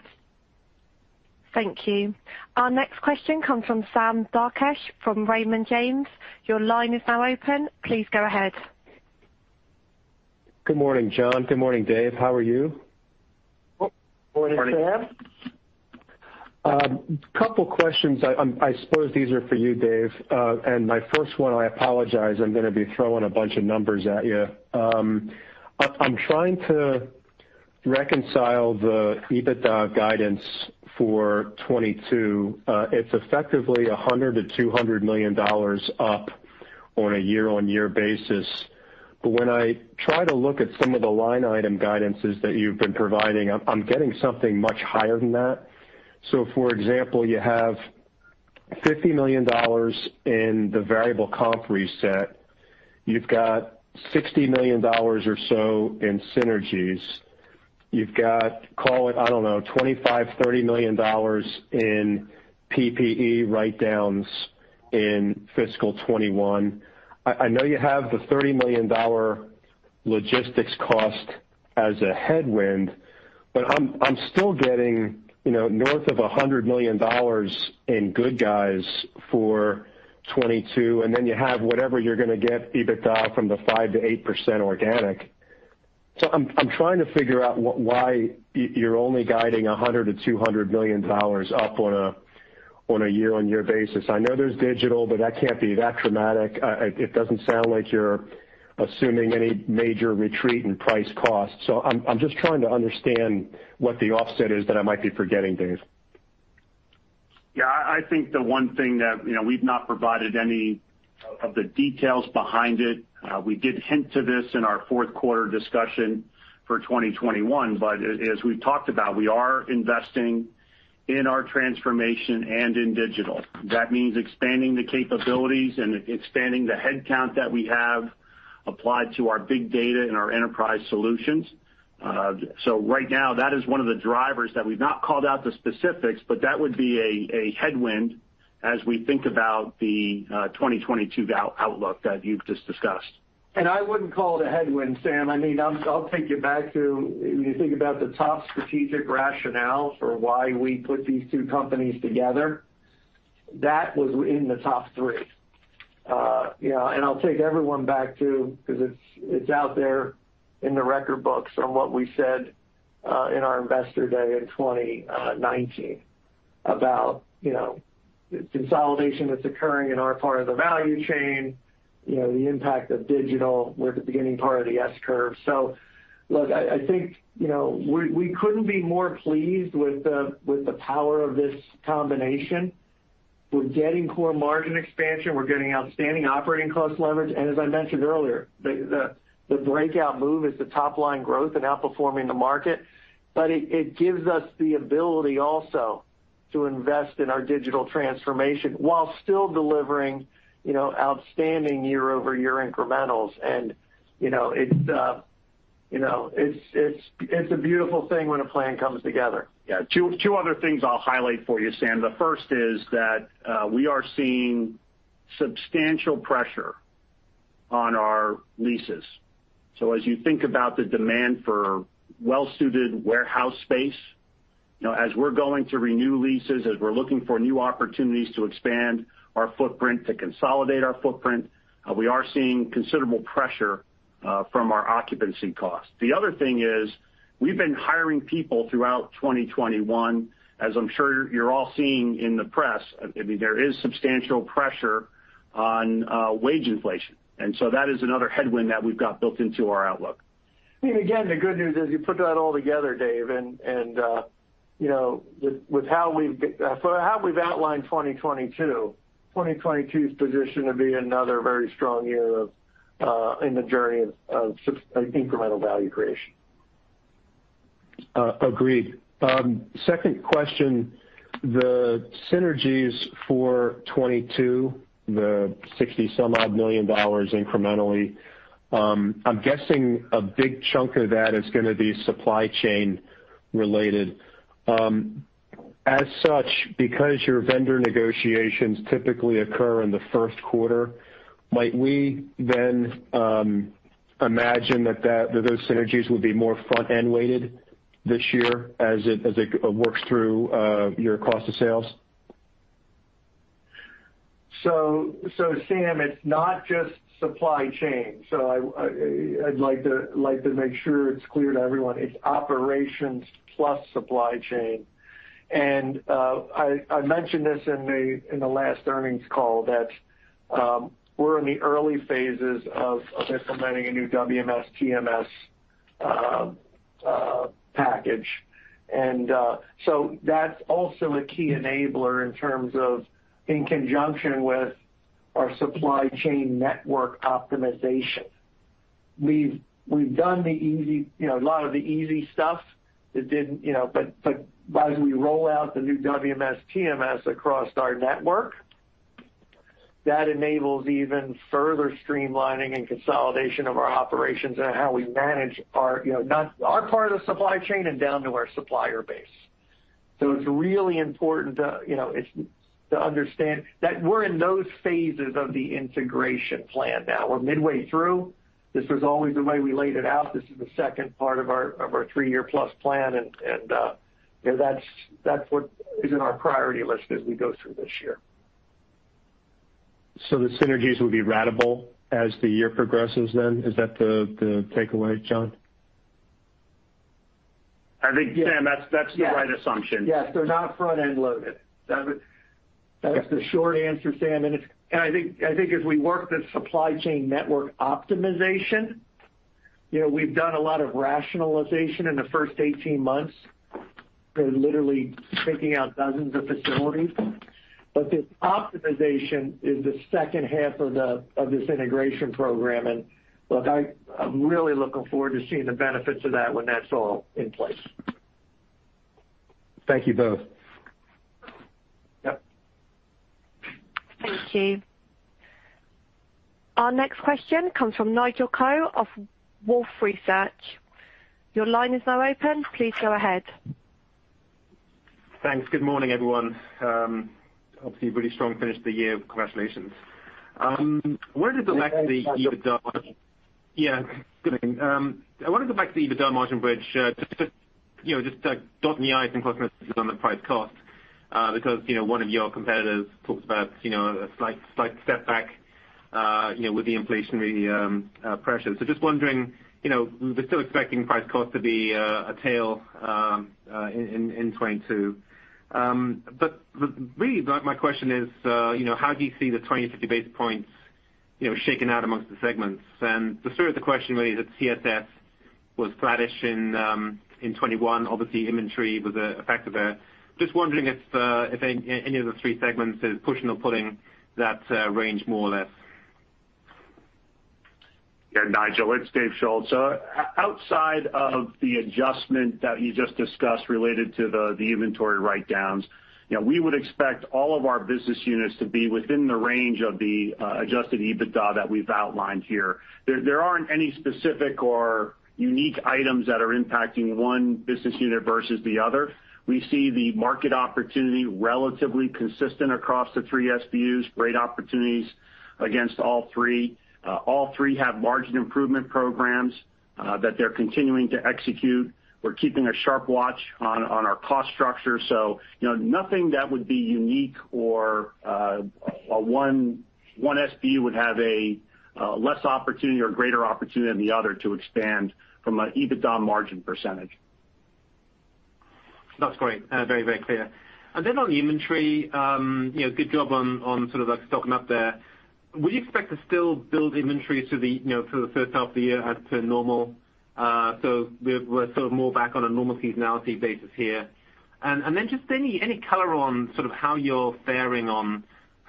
Thank you. Our next question comes from Sam Darkatsh from Raymond James. Your line is now open. Please go ahead. Good morning, John. Good morning, Dave. How are you? Morning, Sam. Morning. Couple questions. I suppose these are for you, Dave. My first one, I apologize, I'm gonna be throwing a bunch of numbers at you. I'm trying to reconcile the EBITDA guidance for 2022. It's effectively $100 million-$200 million up on a year-on-year basis. When I try to look at some of the line item guidances that you've been providing, I'm getting something much higher than that. For example, you have $50 million in the variable comp reset. You've got $60 million or so in synergies. You've got, call it, I don't know, $25 million, $30 million in PPE write-downs in fiscal 2021. I know you have the $30 million logistics cost as a headwind, but I'm still getting, you know, north of $100 million in good guys for 2022. Then you have whatever you're gonna get EBITDA from the 5%-8% organic. I'm trying to figure out what why you're only guiding $100 million-$200 million up on a year-on-year basis. I know there's digital, but that can't be that dramatic. It doesn't sound like you're assuming any major retreat in price cost. I'm just trying to understand what the offset is that I might be forgetting, Dave. Yeah. I think the one thing that, you know, we've not provided any of the details behind it. We did hint to this in our fourth quarter discussion for 2021. As we've talked about, we are investing in our transformation and in digital. That means expanding the capabilities and expanding the headcount that we have applied to our big data and our enterprise solutions. Right now, that is one of the drivers that we've not called out the specifics, but that would be a headwind as we think about the 2022 outlook that you've just discussed. I wouldn't call it a headwind, Sam. I mean, I'll take you back to when you think about the top strategic rationale for why we put these two companies together. That was in the top three. You know, I'll take everyone back to, 'cause it's out there in the record books on what we said in our Investor Day in 2019 about, you know, consolidation that's occurring in our part of the value chain, you know, the impact of digital. We're at the beginning part of the S curve. Look, I think, you know, we couldn't be more pleased with the power of this combination. We're getting core margin expansion. We're getting outstanding operating cost leverage. As I mentioned earlier, the breakout move is the top line growth and outperforming the market. It gives us the ability also to invest in our digital transformation while still delivering, you know, outstanding year-over-year incrementals. You know, it's a beautiful thing when a plan comes together. Two other things I'll highlight for you, Sam. The first is that we are seeing substantial pressure on our leases. As you think about the demand for well-suited warehouse space, as we're going to renew leases, as we're looking for new opportunities to expand our footprint, to consolidate our footprint, we are seeing considerable pressure from our occupancy costs. The other thing is, we've been hiring people throughout 2021. As I'm sure you're all seeing in the press, there is substantial pressure on wage inflation, and that is another headwind that we've got built into our outlook. Again, the good news is you put that all together, Dave, and you know, with how we've outlined 2022 is positioned to be another very strong year in the journey of incremental value creation. Agreed. Second question, the synergies for 2022, the $60-some odd million incrementally, I'm guessing a big chunk of that is gonna be supply-chain-related. As such, because your vendor negotiations typically occur in the first quarter, might we then imagine that those synergies will be more front-end-weighted this year as it works through your cost of sales? Sam, it's not just supply chain. I'd like to make sure it's clear to everyone it's operations plus supply chain. I mentioned this in the last earnings call that we're in the early phases of implementing a new WMS/TMS package. That's also a key enabler in terms of in conjunction with our supply chain network optimization. We've done a lot of the easy stuff. As we roll out the new WMS/TMS across our network, that enables even further streamlining and consolidation of our operations and how we manage our, you know, our part of the supply chain and down to our supplier base. It's really important to, you know, to understand that we're in those phases of the integration plan now. We're midway through. This was always the way we laid it out. This is the second part of our three-year-plus plan. You know, that's what is in our priority list as we go through this year. The synergies will be ratable as the year progresses then? Is that the takeaway, John? I think, Sam, that's the right assumption. Yes. They're not front-end loaded. That was the short answer, Sam. I think as we work the supply chain network optimization, you know, we've done a lot of rationalization in the first 18 months. We're literally taking out dozens of facilities. This optimization is the second half of this integration program. Look, I'm really looking forward to seeing the benefits of that when that's all in place. Thank you both. Yep. Thank you. Our next question comes from Nigel Coe of Wolfe Research. Your line is now open. Please go ahead. Thanks. Good morning, everyone. Obviously, really strong finish to the year. Congratulations. I wanna go back to the EBITDA margin bridge, just to, you know, just to dot the i's and cross the t's on the price cost, because, you know, one of your competitors talked about, you know, a slight step back, you know, with the inflationary pressures. Just wondering, you know, we're still expecting price cost to be a tailwind in 2022. Really my question is, you know, how do you see the 20, 50 basis points, you know, shaking out amongst the segments? The spirit of the question really is that CSS was flattish in 2021. Obviously, inventory was an effect of that. Just wondering if any of the three segments is pushing or pulling that range more or less? Yeah, Nigel, it's Dave Schulz. Outside of the adjustment that you just discussed related to the inventory write-downs, you know, we would expect all of our business units to be within the range of the adjusted EBITDA that we've outlined here. There aren't any specific or unique items that are impacting one business unit versus the other. We see the market opportunity relatively consistent across the three SBUs, great opportunities against all three. All three have margin improvement programs that they're continuing to execute. We're keeping a sharp watch on our cost structure. You know, nothing that would be unique or one SBU would have a less opportunity or greater opportunity than the other to expand from an EBITDA margin percentage. That's great. Very, very clear. Then on the inventory, you know, good job on sort of like stocking up there. Would you expect to still build inventory you know through the first half of the year as per normal? We're sort of more back on a normal seasonality basis here. Then just any color on sort of how you're faring on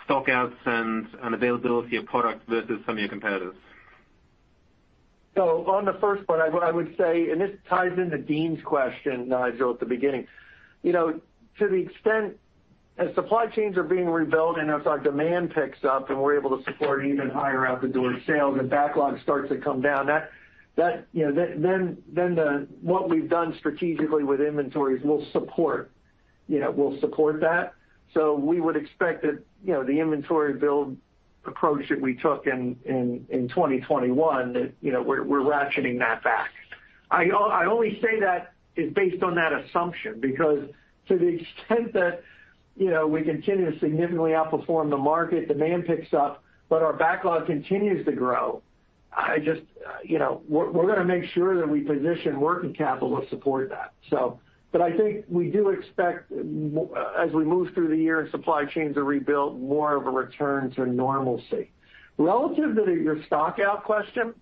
stockouts and availability of product versus some of your competitors. On the first part, I would say, and this ties into Deane's question, Nigel, at the beginning. You know, to the extent as supply chains are being rebuilt and as our demand picks up and we're able to support even higher out-the-door sales and backlog starts to come down, that, you know, then what we've done strategically with inventories will support, you know, will support that. We would expect that, you know, the inventory build approach that we took in 2021, that, you know, we're ratcheting that back. I only say that is based on that assumption, because to the extent that, you know, we continue to significantly outperform the market, demand picks up, but our backlog continues to grow, I just, you know. We're gonna make sure that we position working capital to support that. But I think we do expect as we move through the year and supply chains are rebuilt, more of a return to normalcy. Relative to your stock-out question,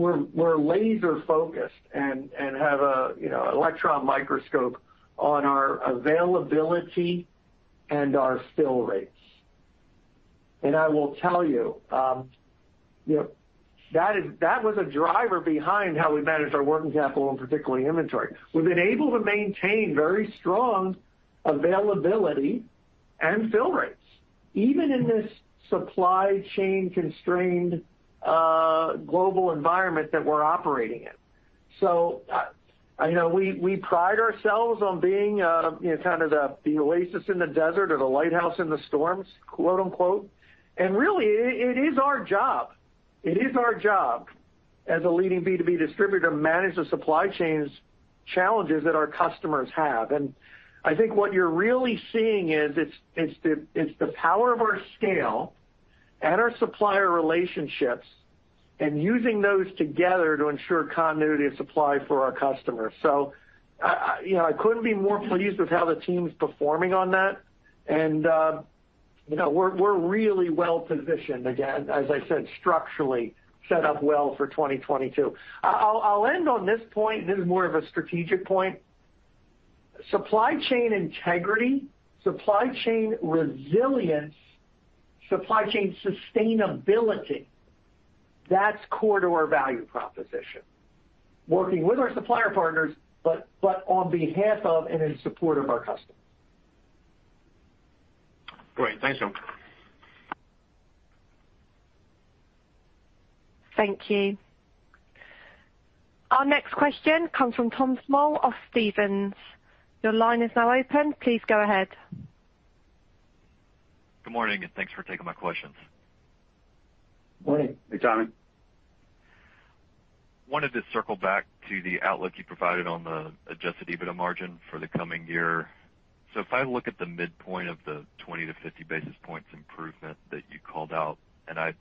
we're laser focused and have a, you know, electron microscope on our availability and our fill rates. I will tell, you know, that was a driver behind how we managed our working capital and particularly inventory. We've been able to maintain very strong availability and fill rates even in this supply-chain-constrained global environment that we're operating in. You know, we pride ourselves on being, you know, kind of the oasis in the desert or the lighthouse in the storms, quote unquote. Really, it is our job. It is our job as a leading B2B distributor to manage the supply chain's challenges that our customers have. I think what you're really seeing is it's the power of our scale and our supplier relationships and using those together to ensure continuity of supply for our customers. I, you know, I couldn't be more pleased with how the team's performing on that. You know, we're really well-positioned, again, as I said, structurally set up well for 2022. I'll end on this point, and this is more of a strategic point. Supply chain integrity, supply chain resilience, supply chain sustainability, that's core to our value proposition, working with our supplier partners, but on behalf of and in support of our customers. Great. Thanks, John. Thank you. Our next question comes from Thomas Moll of Stephens. Your line is now open. Please go ahead. Good morning, and thanks for taking my questions. Morning. Hey, Tommy. wanted to circle back to the outlook you provided on the adjusted EBITDA margin for the coming year. If I look at the midpoint of the 20-50 basis points improvement that you called out, and I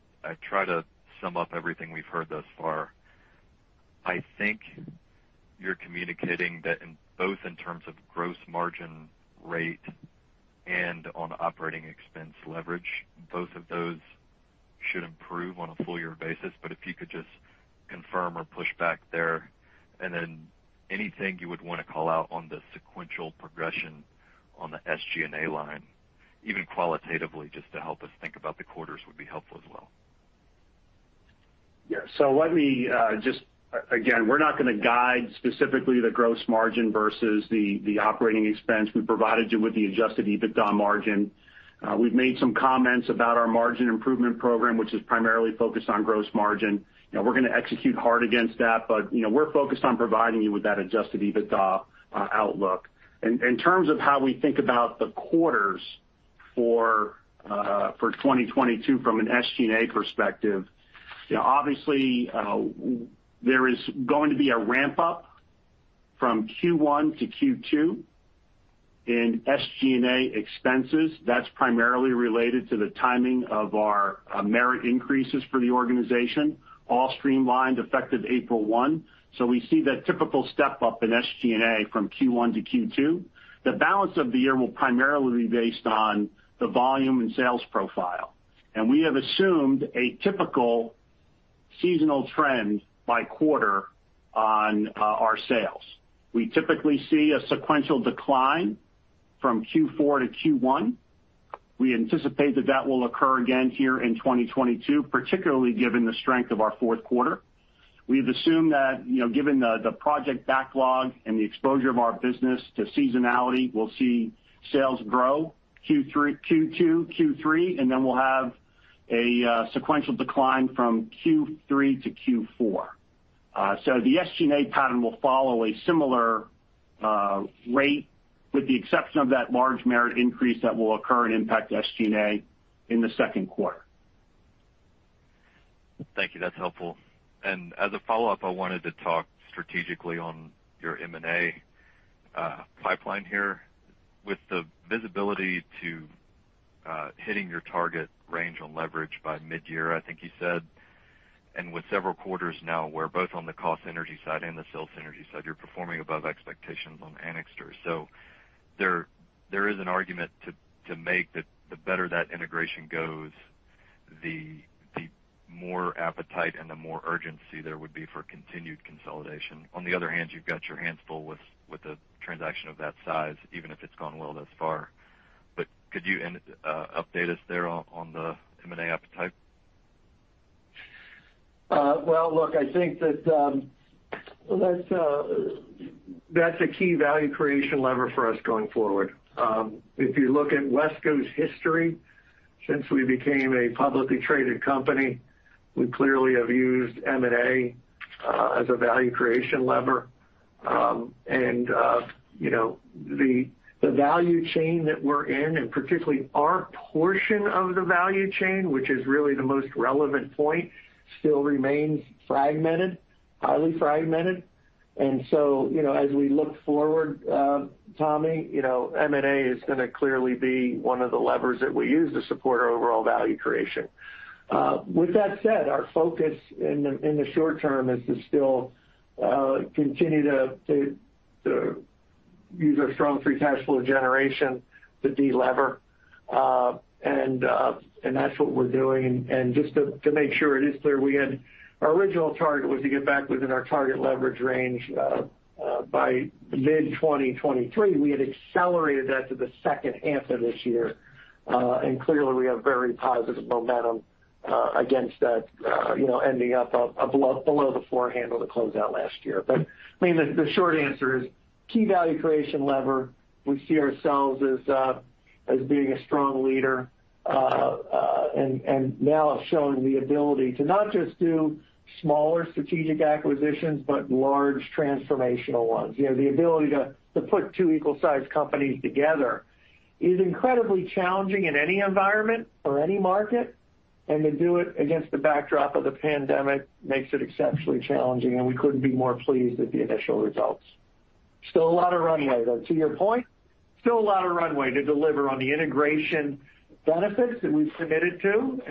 try to sum up everything we've heard thus far, I think you're communicating that in both terms of gross margin rate and on operating expense leverage, both of those should improve on a full-year basis. If you could just confirm or push back there. Then anything you would want to call out on the sequential progression on the SG&A line, even qualitatively, just to help us think about the quarters would be helpful as well. Yeah. Let me just, again, we're not gonna guide specifically the gross margin versus the operating expense. We provided you with the adjusted EBITDA margin. We've made some comments about our margin improvement program, which is primarily focused on gross margin. You know, we're gonna execute hard against that, but you know, we're focused on providing you with that adjusted EBITDA outlook. In terms of how we think about the quarters for 2022 from an SG&A perspective, you know, obviously, there is going to be a ramp-up from Q1 to Q2 in SG&A expenses. That's primarily related to the timing of our merit increases for the organization, all streamlined, effective April 1. We see that typical step-up in SG&A from Q1 to Q2. The balance of the year will primarily be based on the volume and sales profile. We have assumed a typical seasonal trend by quarter on our sales. We typically see a sequential decline from Q4 to Q1. We anticipate that that will occur again here in 2022, particularly given the strength of our fourth quarter. We've assumed that, you know, given the project backlog and the exposure of our business to seasonality, we'll see sales grow Q2, Q3, and then we'll have a sequential decline from Q3 to Q4. So the SG&A pattern will follow a similar rate with the exception of that large merit increase that will occur and impact SG&A in the second quarter. Thank you. That's helpful. As a follow-up, I wanted to talk strategically on your M&A pipeline here. With the visibility to hitting your target range on leverage by midyear, I think you said, and with several quarters now where both on the cost synergy side and the sales synergy side, you're performing above expectations on Anixter. There is an argument to make that the better that integration goes, the more appetite and the more urgency there would be for continued consolidation. On the other hand, you've got your hands full with a transaction of that size, even if it's gone well thus far. Could you update us there on the M&A appetite? Well, look, I think that that's a key value creation lever for us going forward. If you look at WESCO's history since we became a publicly-traded company, we clearly have used M&A as a value-creation lever. You know, the value chain that we're in, and particularly our portion of the value chain, which is really the most relevant point, still remains fragmented, highly fragmented. You know, as we look forward, Tommy, you know, M&A is gonna clearly be one of the levers that we use to support our overall value creation. With that said, our focus in the short term is to still continue to use our strong free cash flow generation to delever. That's what we're doing. Just to make sure it is clear, our original target was to get back within our target leverage range by mid-2023. We had accelerated that to the second half of this year, and clearly we have very positive momentum against that, you know, ending up below the four handle to close out last year. I mean, the short answer is key value creation lever. We see ourselves as being a strong leader, and now showing the ability to not just do smaller strategic acquisitions, but large transformational ones. You know, the ability to put two equal-sized companies together is incredibly challenging in any environment or any market, and to do it against the backdrop of the pandemic makes it exceptionally challenging, and we couldn't be more pleased with the initial results. Still a lot of runway, though, to your point, still a lot of runway to deliver on the integration benefits that we've committed to,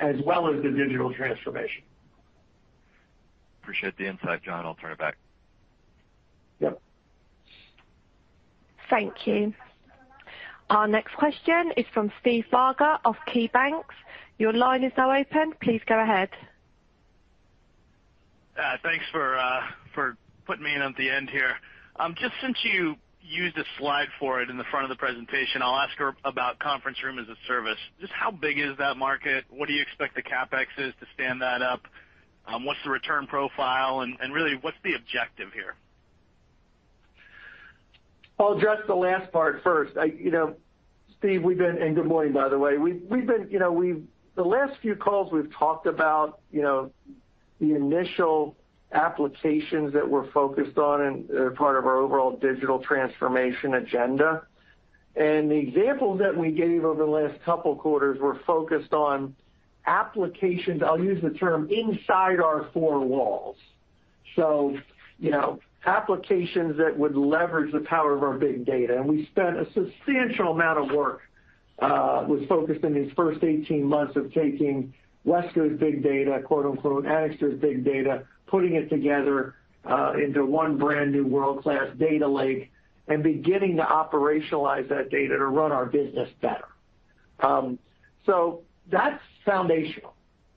as well as the digital transformation. Appreciate the insight, John. I'll turn it back. Yep. Thank you. Our next question is from Steve Barger of KeyBanc. Your line is now open. Please go ahead. Thanks for putting me in at the end here. Just since you used a slide for it in the front of the presentation, I'll ask her about conference-room-as-a-service. Just how big is that market? What do you expect the CapEx is to stand that up? What's the return profile and really, what's the objective here? I'll address the last part first. You know, Steve, we've been, and good morning, by the way. We've been, you know, the last few calls we've talked about, you know, the initial applications that we're focused on and they're part of our overall digital transformation agenda. The examples that we gave over the last couple quarters were focused on applications. I'll use the term inside our four walls. You know, applications that would leverage the power of our big data. We spent a substantial amount of work with focus in these first 18 months of taking WESCO's big data, quote-unquote, Anixter's big data, putting it together into one brand new world-class data lake and beginning to operationalize that data to run our business better. That's foundational.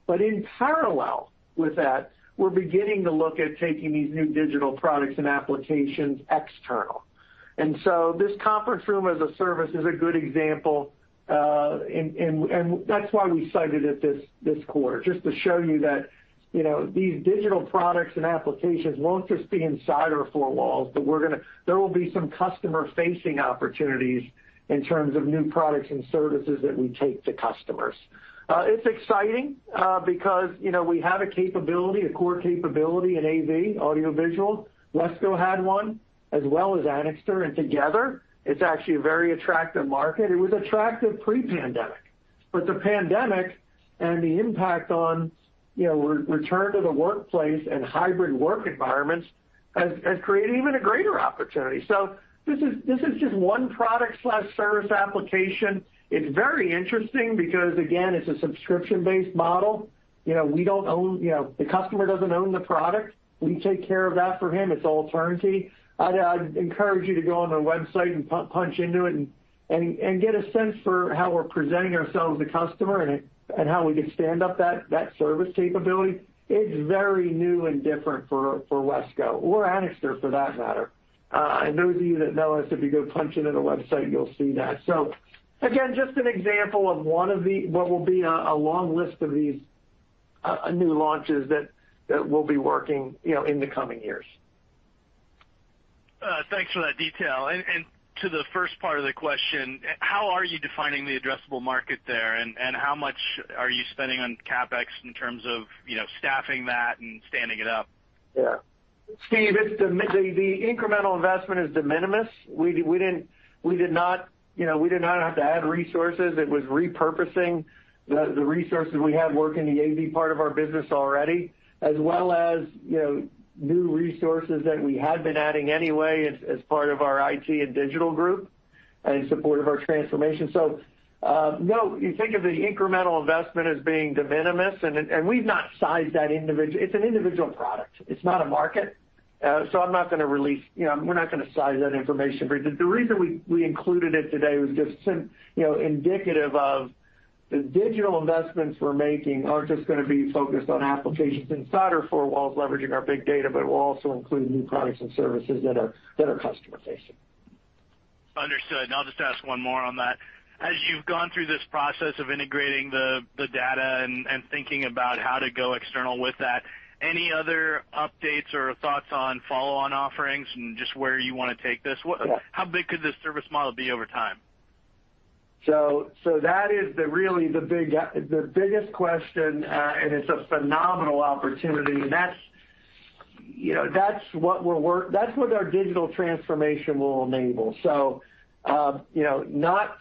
In parallel with that, we're beginning to look at taking these new digital products and applications external. This conference-room-as-a-service is a good example. That's why we cited it this quarter, just to show you that, you know, these digital products and applications won't just be inside our four walls, but there will be some customer-facing opportunities in terms of new products and services that we take to customers. It's exciting, because, you know, we have a capability, a core capability in AV, audio visual. WESCO had one, as well as Anixter, and together it's actually a very attractive market. It was attractive pre-pandemic, but the pandemic and the impact on, you know, return to the workplace and hybrid work environments has created even a greater opportunity. This is just one product/service application. It's very interesting because again, it's a subscription-based model. We don't own, you know, the customer doesn't own the product. We take care of that for him. It's all turnkey. I'd encourage you to go on our website and punch into it and get a sense for how we're presenting ourselves to customer and how we can stand up that service capability. It's very new and different for WESCO or Anixter for that matter. Those of you that know us, if you go punch into the website, you'll see that. Again, just an example of one of the what will be a long list of these new launches that we'll be working in the coming years. Thanks for that detail. To the first part of the question, how are you defining the addressable market there? How much are you spending on CapEx in terms of, you know, staffing that and standing it up? Yeah. Steve, the incremental investment is de minimis. We did not, you know, we did not have to add resources. It was repurposing the resources we had working in the AV part of our business already, as well as, you know, new resources that we had been adding anyway as part of our IT and digital group in support of our transformation. No, you think of the incremental investment as being de minimis and we've not sized that individual. It's an individual product. It's not a market. I'm not gonna release, you know, we're not gonna size that information. The reason we included it today was just since, you know, indicative of the digital investments we're making aren't just gonna be focused on applications inside our four walls, leveraging our big data, but will also include new products and services that are customer-facing. Understood. I'll just ask one more on that. As you've gone through this process of integrating the data and thinking about how to go external with that, any other updates or thoughts on follow-on offerings and just where you wanna take this? How big could this service model be over time? That is really the biggest question, it's a phenomenal opportunity. That's what our digital transformation will enable. It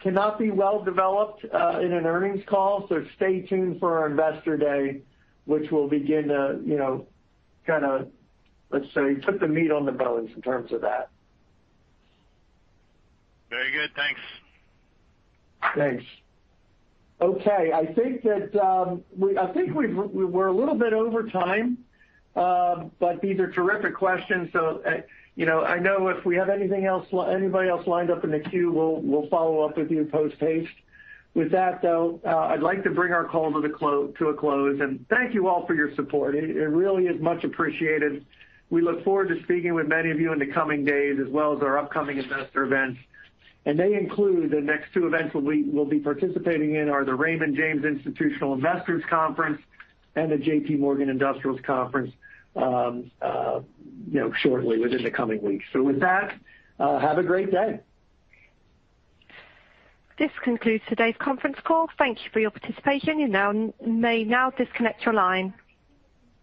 cannot be well developed in an earnings call, so stay tuned for our Investor Day, which we'll begin to, you know, kinda, let's say, put the meat on the bones in terms of that. Very good. Thanks. Thanks. Okay. I think that we're a little bit over time, but these are terrific questions. You know, I know if we have anything else, anybody else lined up in the queue, we'll follow up with you post haste. With that, though, I'd like to bring our call to a close, and thank you all for your support. It really is much appreciated. We look forward to speaking with many of you in the coming days as well as our upcoming investor events. They include the next two events that we will be participating in are the Raymond James Institutional Investors Conference and the JPMorgan Industrials Conference, you know, shortly within the coming weeks. With that, have a great day. This concludes today's conference call. Thank you for your participation. You may now disconnect your line.